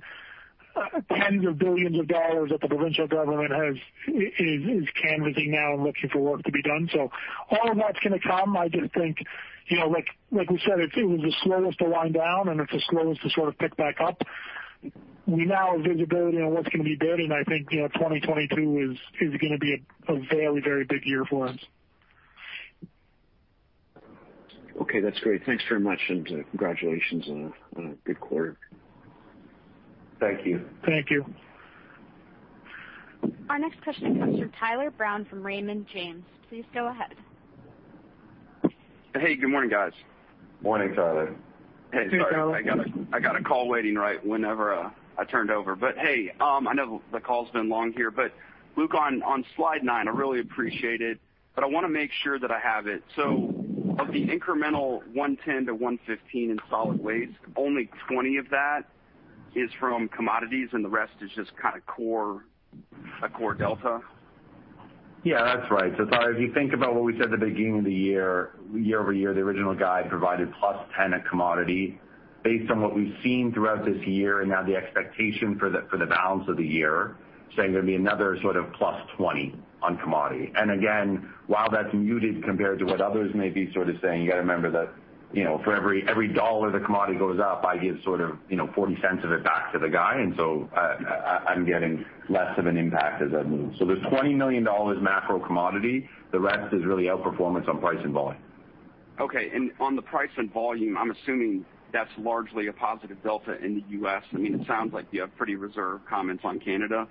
tens of billions of dollars that the provincial government is canvassing now and looking for work to be done. All of that's going to come. I just think, like we said, it was the slowest to wind down, and it's the slowest to sort of pick back up. We now have visibility on what's going to be bid, and I think 2022 is going to be a very big year for us. Okay. That's great. Thanks very much, and congratulations on a good quarter. Thank you. Thank you. Our next question comes from Tyler Brown from Raymond James. Please go ahead. Hey, good morning, guys. Morning, Tyler. Hey, Tyler. Hey, sorry. I got a call waiting right whenever I turned over. Hey, I know the call's been long here, but Luke, on slide nine, I really appreciate it, but I want to make sure that I have it. Of the incremental 110-115 in solid waste, only 20 of that is from commodities and the rest is just kind of a core delta? Yeah, that's right. Tyler, if you think about what we said at the beginning of the YoY, the original guide provided +10 at commodity. Based on what we've seen throughout this year and now the expectation for the balance of the year, saying there'd be another sort of +20 on commodity. Again, while that's muted compared to what others may be sort of saying, you got to remember that for every dollar the commodity goes up, I give sort of 0.40 of it back to the guide. So I'm getting less of an impact as I move. There's 20 million dollars macro commodity. The rest is really outperformance on price and volume. Okay. On the price and volume, I'm assuming that's largely a positive delta in the U.S. It sounds like you have pretty reserved comments on Canada.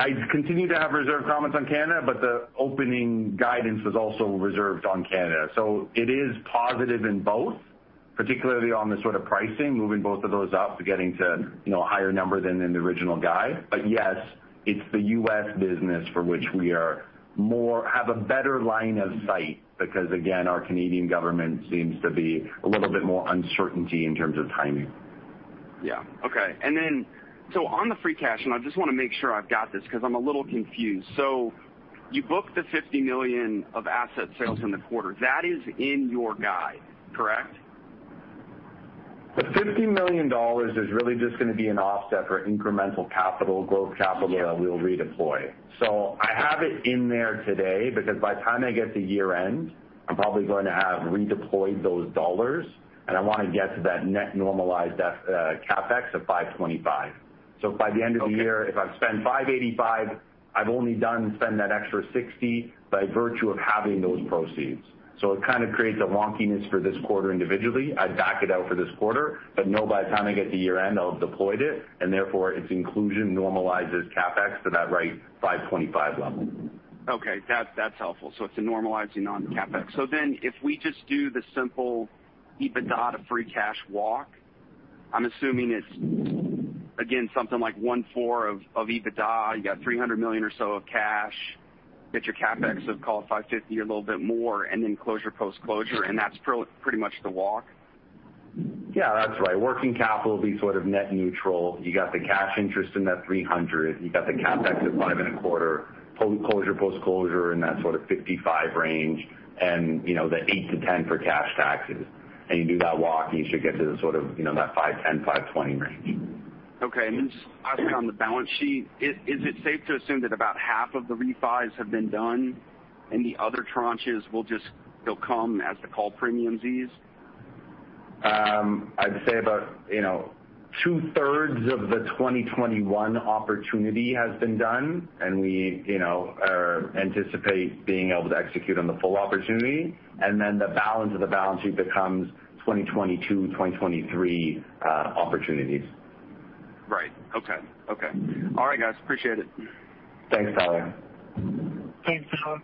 I continue to have reserved comments on Canada, but the opening guidance was also reserved on Canada. It is positive in both, particularly on the sort of pricing, moving both of those up to getting to a higher number than in the original guide. Yes, it's the U.S. business for which we have a better line of sight because, again, our Canadian government seems to be a little bit more uncertainty in terms of timing. Yeah. Okay. On the free cash, and I just want to make sure I've got this because I'm a little confused. You booked the 50 million of asset sales in the quarter. That is in your guide, correct? The 50 million dollars is really just going to be an offset for incremental growth capital that we'll redeploy. I have it in there today because by the time I get to year-end, I'm probably going to have redeployed those dollars, and I want to get to that net normalized CapEx of 525. By the end of the year, if I've spent 585, I've only done spend that extra 60 by virtue of having those proceeds. It kind of creates a wonkiness for this quarter individually. I'd back it out for this quarter, know by the time I get to year-end, I'll have deployed it, and therefore, its inclusion normalizes CapEx to that right 525 level. That's helpful. It's a normalizing on CapEx. If we just do the simple EBITDA to free cash walk, I'm assuming it's again, something like 1/4 of EBITDA. You got 300 million or so of cash, get your CapEx of call 550 million, a little bit more, and then closure, post-closure, and that's pretty much the walk? Yeah, that's right. Working capital will be sort of net neutral. You got the cash interest in that 300. You got the CapEx at five and a quarter. Closure, post-closure in that sort of 55 range, and the 8-10 for cash taxes. You do that walk, and you should get to the sort of that 510-520 range. Okay. just lastly on the balance sheet, is it safe to assume that about half of the refis have been done and the other tranches will come as the call premiums ease? I'd say about 2/3 of the 2021 opportunity has been done, and we anticipate being able to execute on the full opportunity, and then the balance of the balance sheet becomes 2022, 2023 opportunities. Right. Okay. All right, guys, appreciate it. Thanks, Tyler. Thanks, Tyler.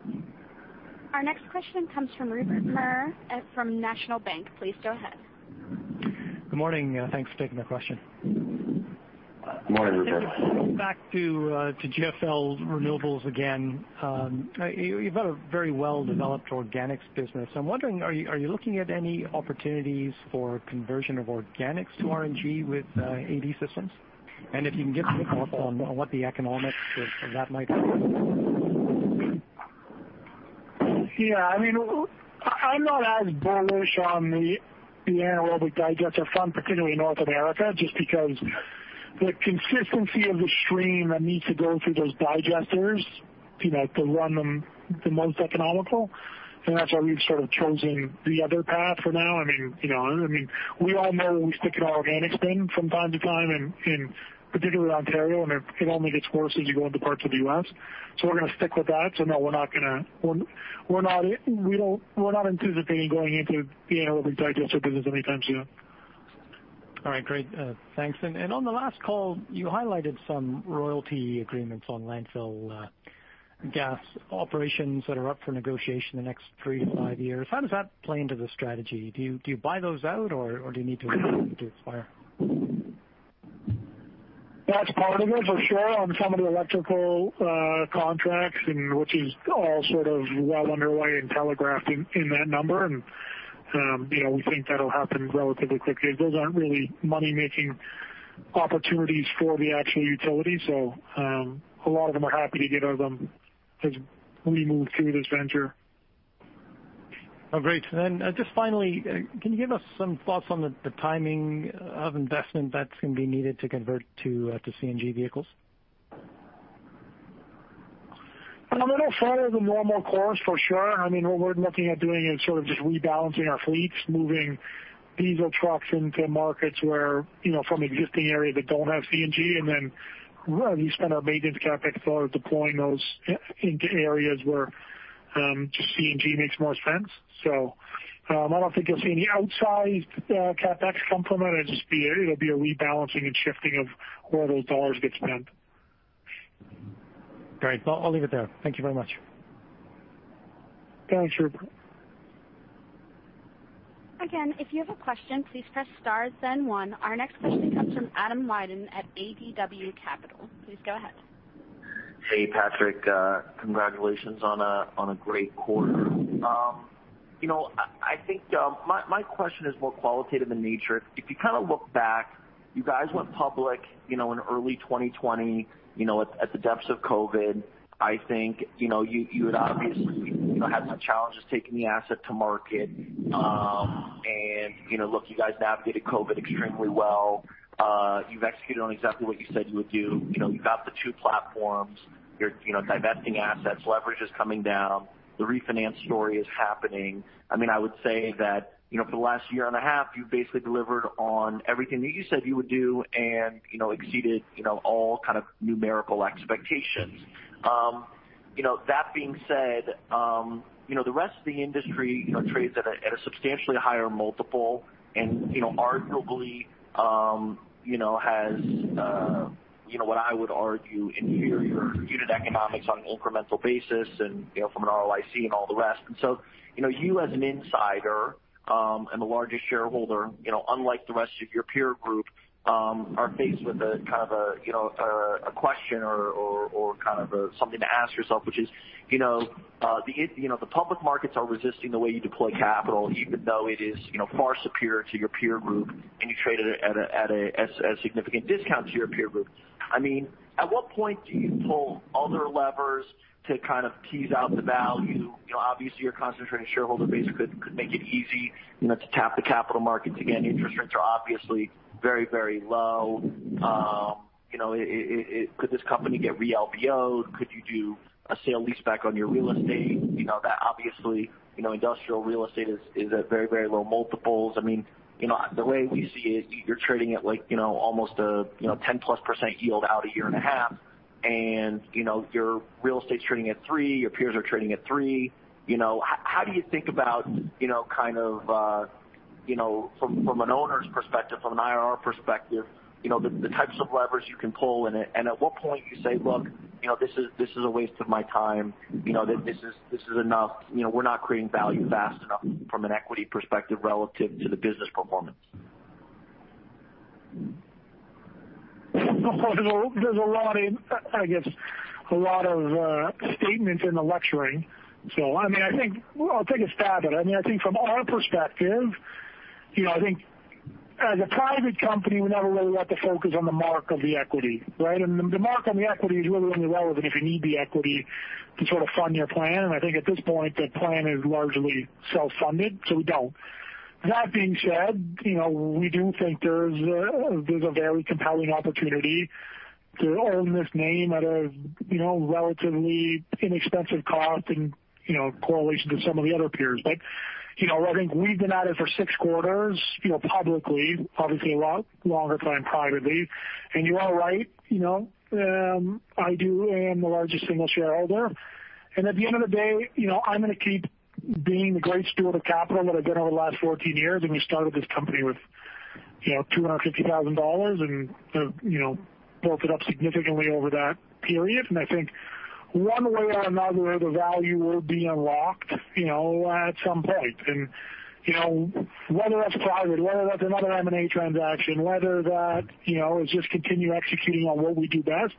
Our next question comes from Rupert Merer from National Bank. Please go ahead. Good morning. Thanks for taking my question. Morning, Rupert. Back to GFL Renewables again. You've got a very well-developed organics business. I'm wondering, are you looking at any opportunities for conversion of organics to RNG with AD systems? If you can give us a bit more on what the economics of that might be. Yeah. I'm not as bullish on the anaerobic digester front, particularly North America, just because the consistency of the stream that needs to go through those digesters to run them the most economical, and that's why we've sort of chosen the other path for now. We all know we stick an organics bin from time to time, and particularly Ontario, and it only gets worse as you go into parts of the U.S. We're going to stick with that. No, we're not anticipating going into the anaerobic digester business anytime soon. All right, great. Thanks. On the last call, you highlighted some royalty agreements on landfill gas operations that are up for negotiation in the next three to five years. How does that play into the strategy? Do you buy those out or do you need to acquire? That's part of it, for sure, on some of the electrical contracts, which is all well underway and telegraphed in that number. We think that'll happen relatively quickly. Those aren't really money-making opportunities for the actual utility. A lot of them are happy to get rid of them as we move through this venture. Oh, great. Just finally, can you give us some thoughts on the timing of investment that's going to be needed to convert to CNG vehicles? It'll follow the normal course for sure. What we're looking at doing is just rebalancing our fleets, moving diesel trucks into markets from existing areas that don't have CNG, and then we spend our maintenance CapEx dollars deploying those into areas where just CNG makes more sense. I don't think you'll see any outsized CapEx component. It'll be a rebalancing and shifting of where those dollars get spent. Great. Well, I'll leave it there. Thank you very much. Thanks, Rupert. Again, if you have a question, please press star, then one. Our next question comes from Adam Wyden at ADW Capital. Please go ahead. Hey, Patrick. Congratulations on a great quarter. My question is more qualitative in nature. If you look back, you guys went public in early 2020 at the depths of COVID. I think you had obviously had some challenges taking the asset to market. Look, you guys navigated COVID extremely well. You've executed on exactly what you said you would do. You've got the two platforms. You're divesting assets. Leverage is coming down. The refinance story is happening. I would say that for the last year and a half, you basically delivered on everything that you said you would do and exceeded all numerical expectations. That being said, the rest of the industry trades at a substantially higher multiple and arguably has what I would argue inferior unit economics on an incremental basis and from an ROIC and all the rest. You as an insider and the largest shareholder unlike the rest of your peer group are faced with a question or something to ask yourself, which is, the public markets are resisting the way you deploy capital, even though it is far superior to your peer group, and you trade at a significant discount to your peer group. At what point do you pull other levers to tease out the value? Obviously, your concentrated shareholder base could make it easy to tap the capital markets again. Interest rates are obviously very low. Could this company get re-LBO'd? Could you do a sale leaseback on your real estate? Obviously, industrial real estate is at very low multiples. The way we see it, you're trading at almost a 10%+ yield out a year and a half, and your real estate's trading at three, your peers are trading at three. How do you think about from an owner's perspective, from an IRR perspective, the types of levers you can pull, and at what point do you say, "Look, this is a waste of my time. This is enough. We're not creating value fast enough from an equity perspective relative to the business performance"? There's a lot of statements in the lecturing. I'll take a stab at it. I think from our perspective, as a private company, we never really like to focus on the mark of the equity, right? The mark on the equity is really only relevant if you need the equity to fund your plan. I think at this point, the plan is largely self-funded, so we don't. That being said, we do think there's a very compelling opportunity to own this name at a relatively inexpensive cost in correlation to some of the other peers. I think we've been at it for six quarters publicly, obviously a lot longer time privately. You are right, I do am the largest single shareholder. At the end of the day, I'm going to keep being the great steward of capital that I've been over the last 14 years. We started this company with 250,000 dollars and built it up significantly over that period. I think one way or another, the value will be unlocked at some point. Whether that's private, whether that's another M&A transaction, whether that is just continue executing on what we do best,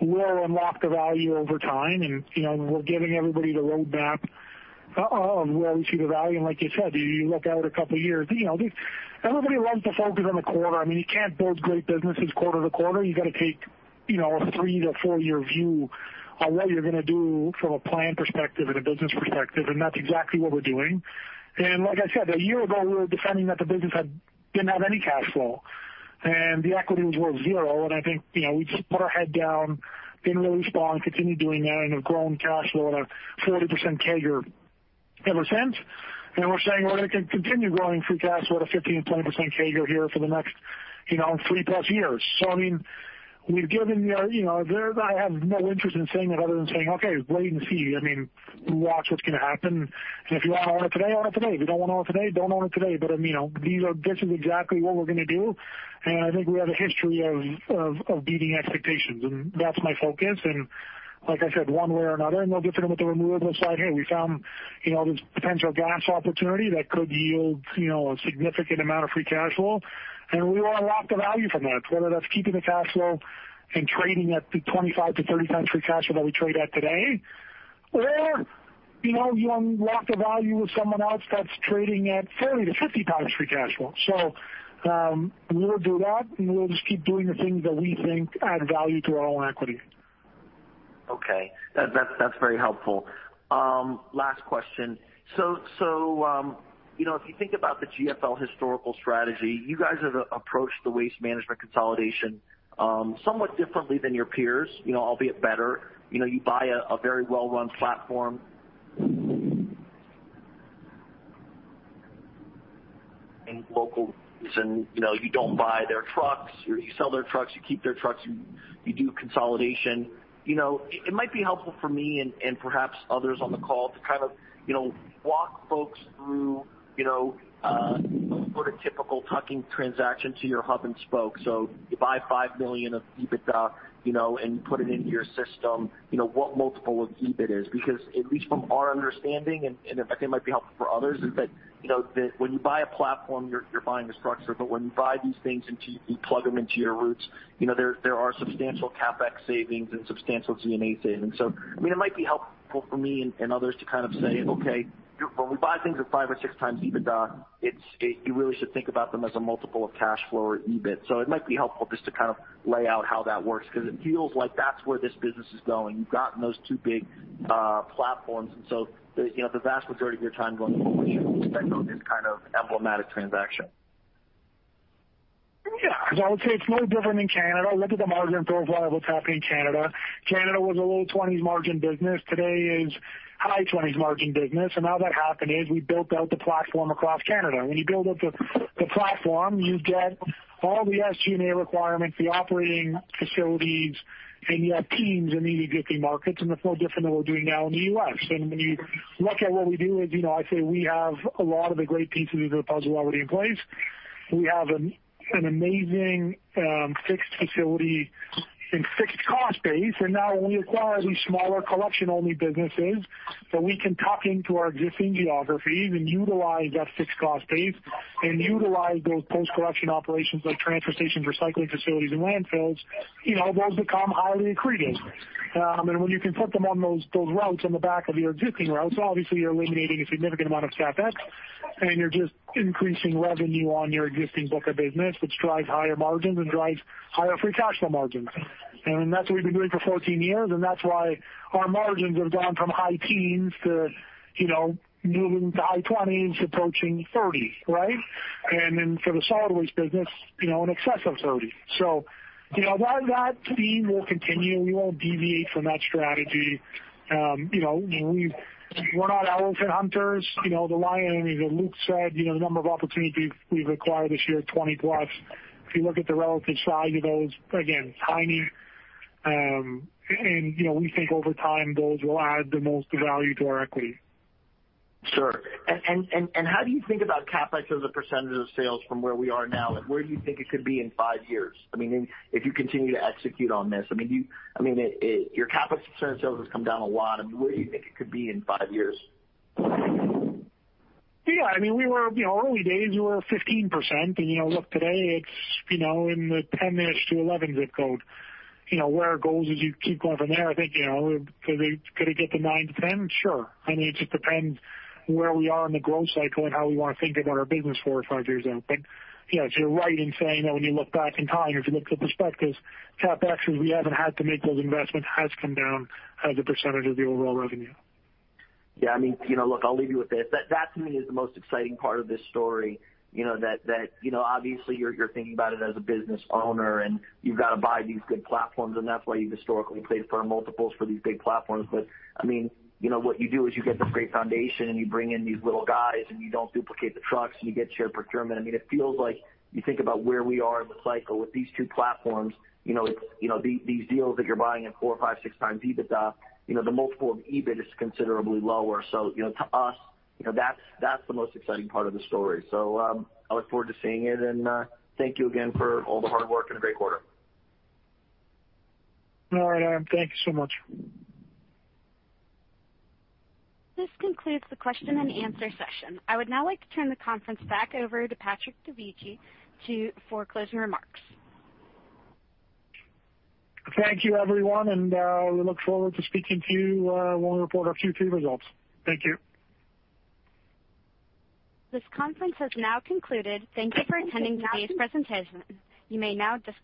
we'll unlock the value over time. We're giving everybody the roadmap of where we see the value. Like you said, you look out a couple of years. Everybody loves to focus on the quarter. You can't build great businesses quarter to quarter. You got to take a three to four-year view on what you're going to do from a plan perspective and a business perspective, that's exactly what we're doing. Like I said, a year ago, we were deciding that the business didn't have any cash flow, and the equity was worth zero. I think we just put our head down, didn't really respond, continued doing that, and have grown cash flow at a 40% CAGR ever since. We're saying we're going to continue growing free cash flow at a 15%-20% CAGR here for the next three plus years. I have no interest in saying it other than saying, "Okay, wait and see." I mean, watch what's going to happen. If you want to own it today, own it today. If you don't want to own it today, don't own it today. This is exactly what we're going to do. I think we have a history of beating expectations, and that's my focus. Like I said, one way or another, no different than what the Renewables side here, we found this potential gas opportunity that could yield a significant amount of free cash flow, and we will unlock the value from that, whether that's keeping the cash flow and trading at the 25-30x free cash flow that we trade at today or you unlock the value with someone else that's trading at 30-50x free cash flow. We'll do that, and we'll just keep doing the things that we think add value to our own equity. Okay. That's very helpful. Last question. If you think about the GFL historical strategy, you guys have approached the waste management consolidation somewhat differently than your peers, albeit better. You buy a very well-run platform. In local, you don't buy their trucks. You sell their trucks, you keep their trucks, you do consolidation. It might be helpful for me and perhaps others on the call to kind of walk folks through what a typical tuck-in transaction to your hub and spoke. You buy 5 million of EBITDA and put it into your system. What multiple of EBITDA is? At least from our understanding, and in fact, it might be helpful for others, is that when you buy a platform, you're buying the structure. But when you buy these things and you plug them into your roots, there are substantial CapEx savings and substantial G&A savings. It might be helpful for me and others to kind of say, Okay, when we buy things at five or six times EBITDA, you really should think about them as a multiple of cash flow or EBITDA. It might be helpful just to kind of lay out how that works because it feels like that's where this business is going. You've gotten those two big platforms, and so the vast majority of your time going forward should be spent on this kind of emblematic transaction. Yeah. Because I would say it's no different than Canada. Look at the margin profile of what's happening in Canada. Canada was a low twenties margin business. Today is high twenties margin business. How that happened is we built out the platform across Canada. When you build up the platform, you get all the SG&A requirements, the operating facilities, and you have teams in the existing markets, and it's no different than what we're doing now in the U.S. When you look at what we do is, I say we have a lot of the great pieces of the puzzle already in place. We have an amazing fixed facility and fixed cost base. Now when we acquire these smaller collection-only businesses that we can tuck into our existing geographies and utilize that fixed cost base and utilize those post-collection operations like transfer stations, recycling facilities, and landfills, those become highly accretive. When you can put them on those routes on the back of your existing routes, obviously you're eliminating a significant amount of CapEx, and you're just increasing revenue on your existing book of business, which drives higher margins and drives higher free cash flow margins. That's what we've been doing for 14 years, and that's why our margins have gone from high teens to moving to high twenties, approaching 30, right? Then for the solid waste business, in excess of 30. That theme will continue. We won't deviate from that strategy. We're not elephant hunters. The lion's share, as Luke said, the number of opportunities we've acquired this year, 20+. If you look at the relative size of those, again, tiny. We think over time, those will add the most value to our equity. Sure. How do you think about CapEx as a percentage of sales from where we are now? Like, where do you think it could be in five years? I mean, if you continue to execute on this. Your CapEx percentage sales has come down a lot. Where do you think it could be in five years? Yeah. Early days, we were at 15%. Look, today it's in the 10-ish to 11 zip code. Where it goes as you keep going from there, I think, could it get to nine to 10? Sure. It just depends where we are in the growth cycle and how we want to think about our business four or five years out. You're right in saying that when you look back in time, if you look at the perspectives, CapEx, as we haven't had to make those investments, has come down as a percentage of the overall revenue. Yeah. Look, I'll leave you with this. That to me is the most exciting part of this story, that obviously you're thinking about it as a business owner, and you've got to buy these good platforms, and that's why you've historically paid firm multiples for these big platforms. What you do is you get this great foundation, and you bring in these little guys, and you don't duplicate the trucks, and you get shared procurement. It feels like you think about where we are in the cycle with these two platforms, these deals that you're buying at four, five, six times EBITDA, the multiple of EBITDA is considerably lower. To us, that's the most exciting part of the story. I look forward to seeing it, and thank you again for all the hard work and a great quarter. All right. Thank you so much. This concludes the question and answer session. I would now like to turn the conference back over to Patrick Dovigi for closing remarks. Thank you, everyone, and we look forward to speaking to you when we report our Q2 results. Thank you. This conference has now concluded. Thank you for attending today's presentation. You may now disconnect.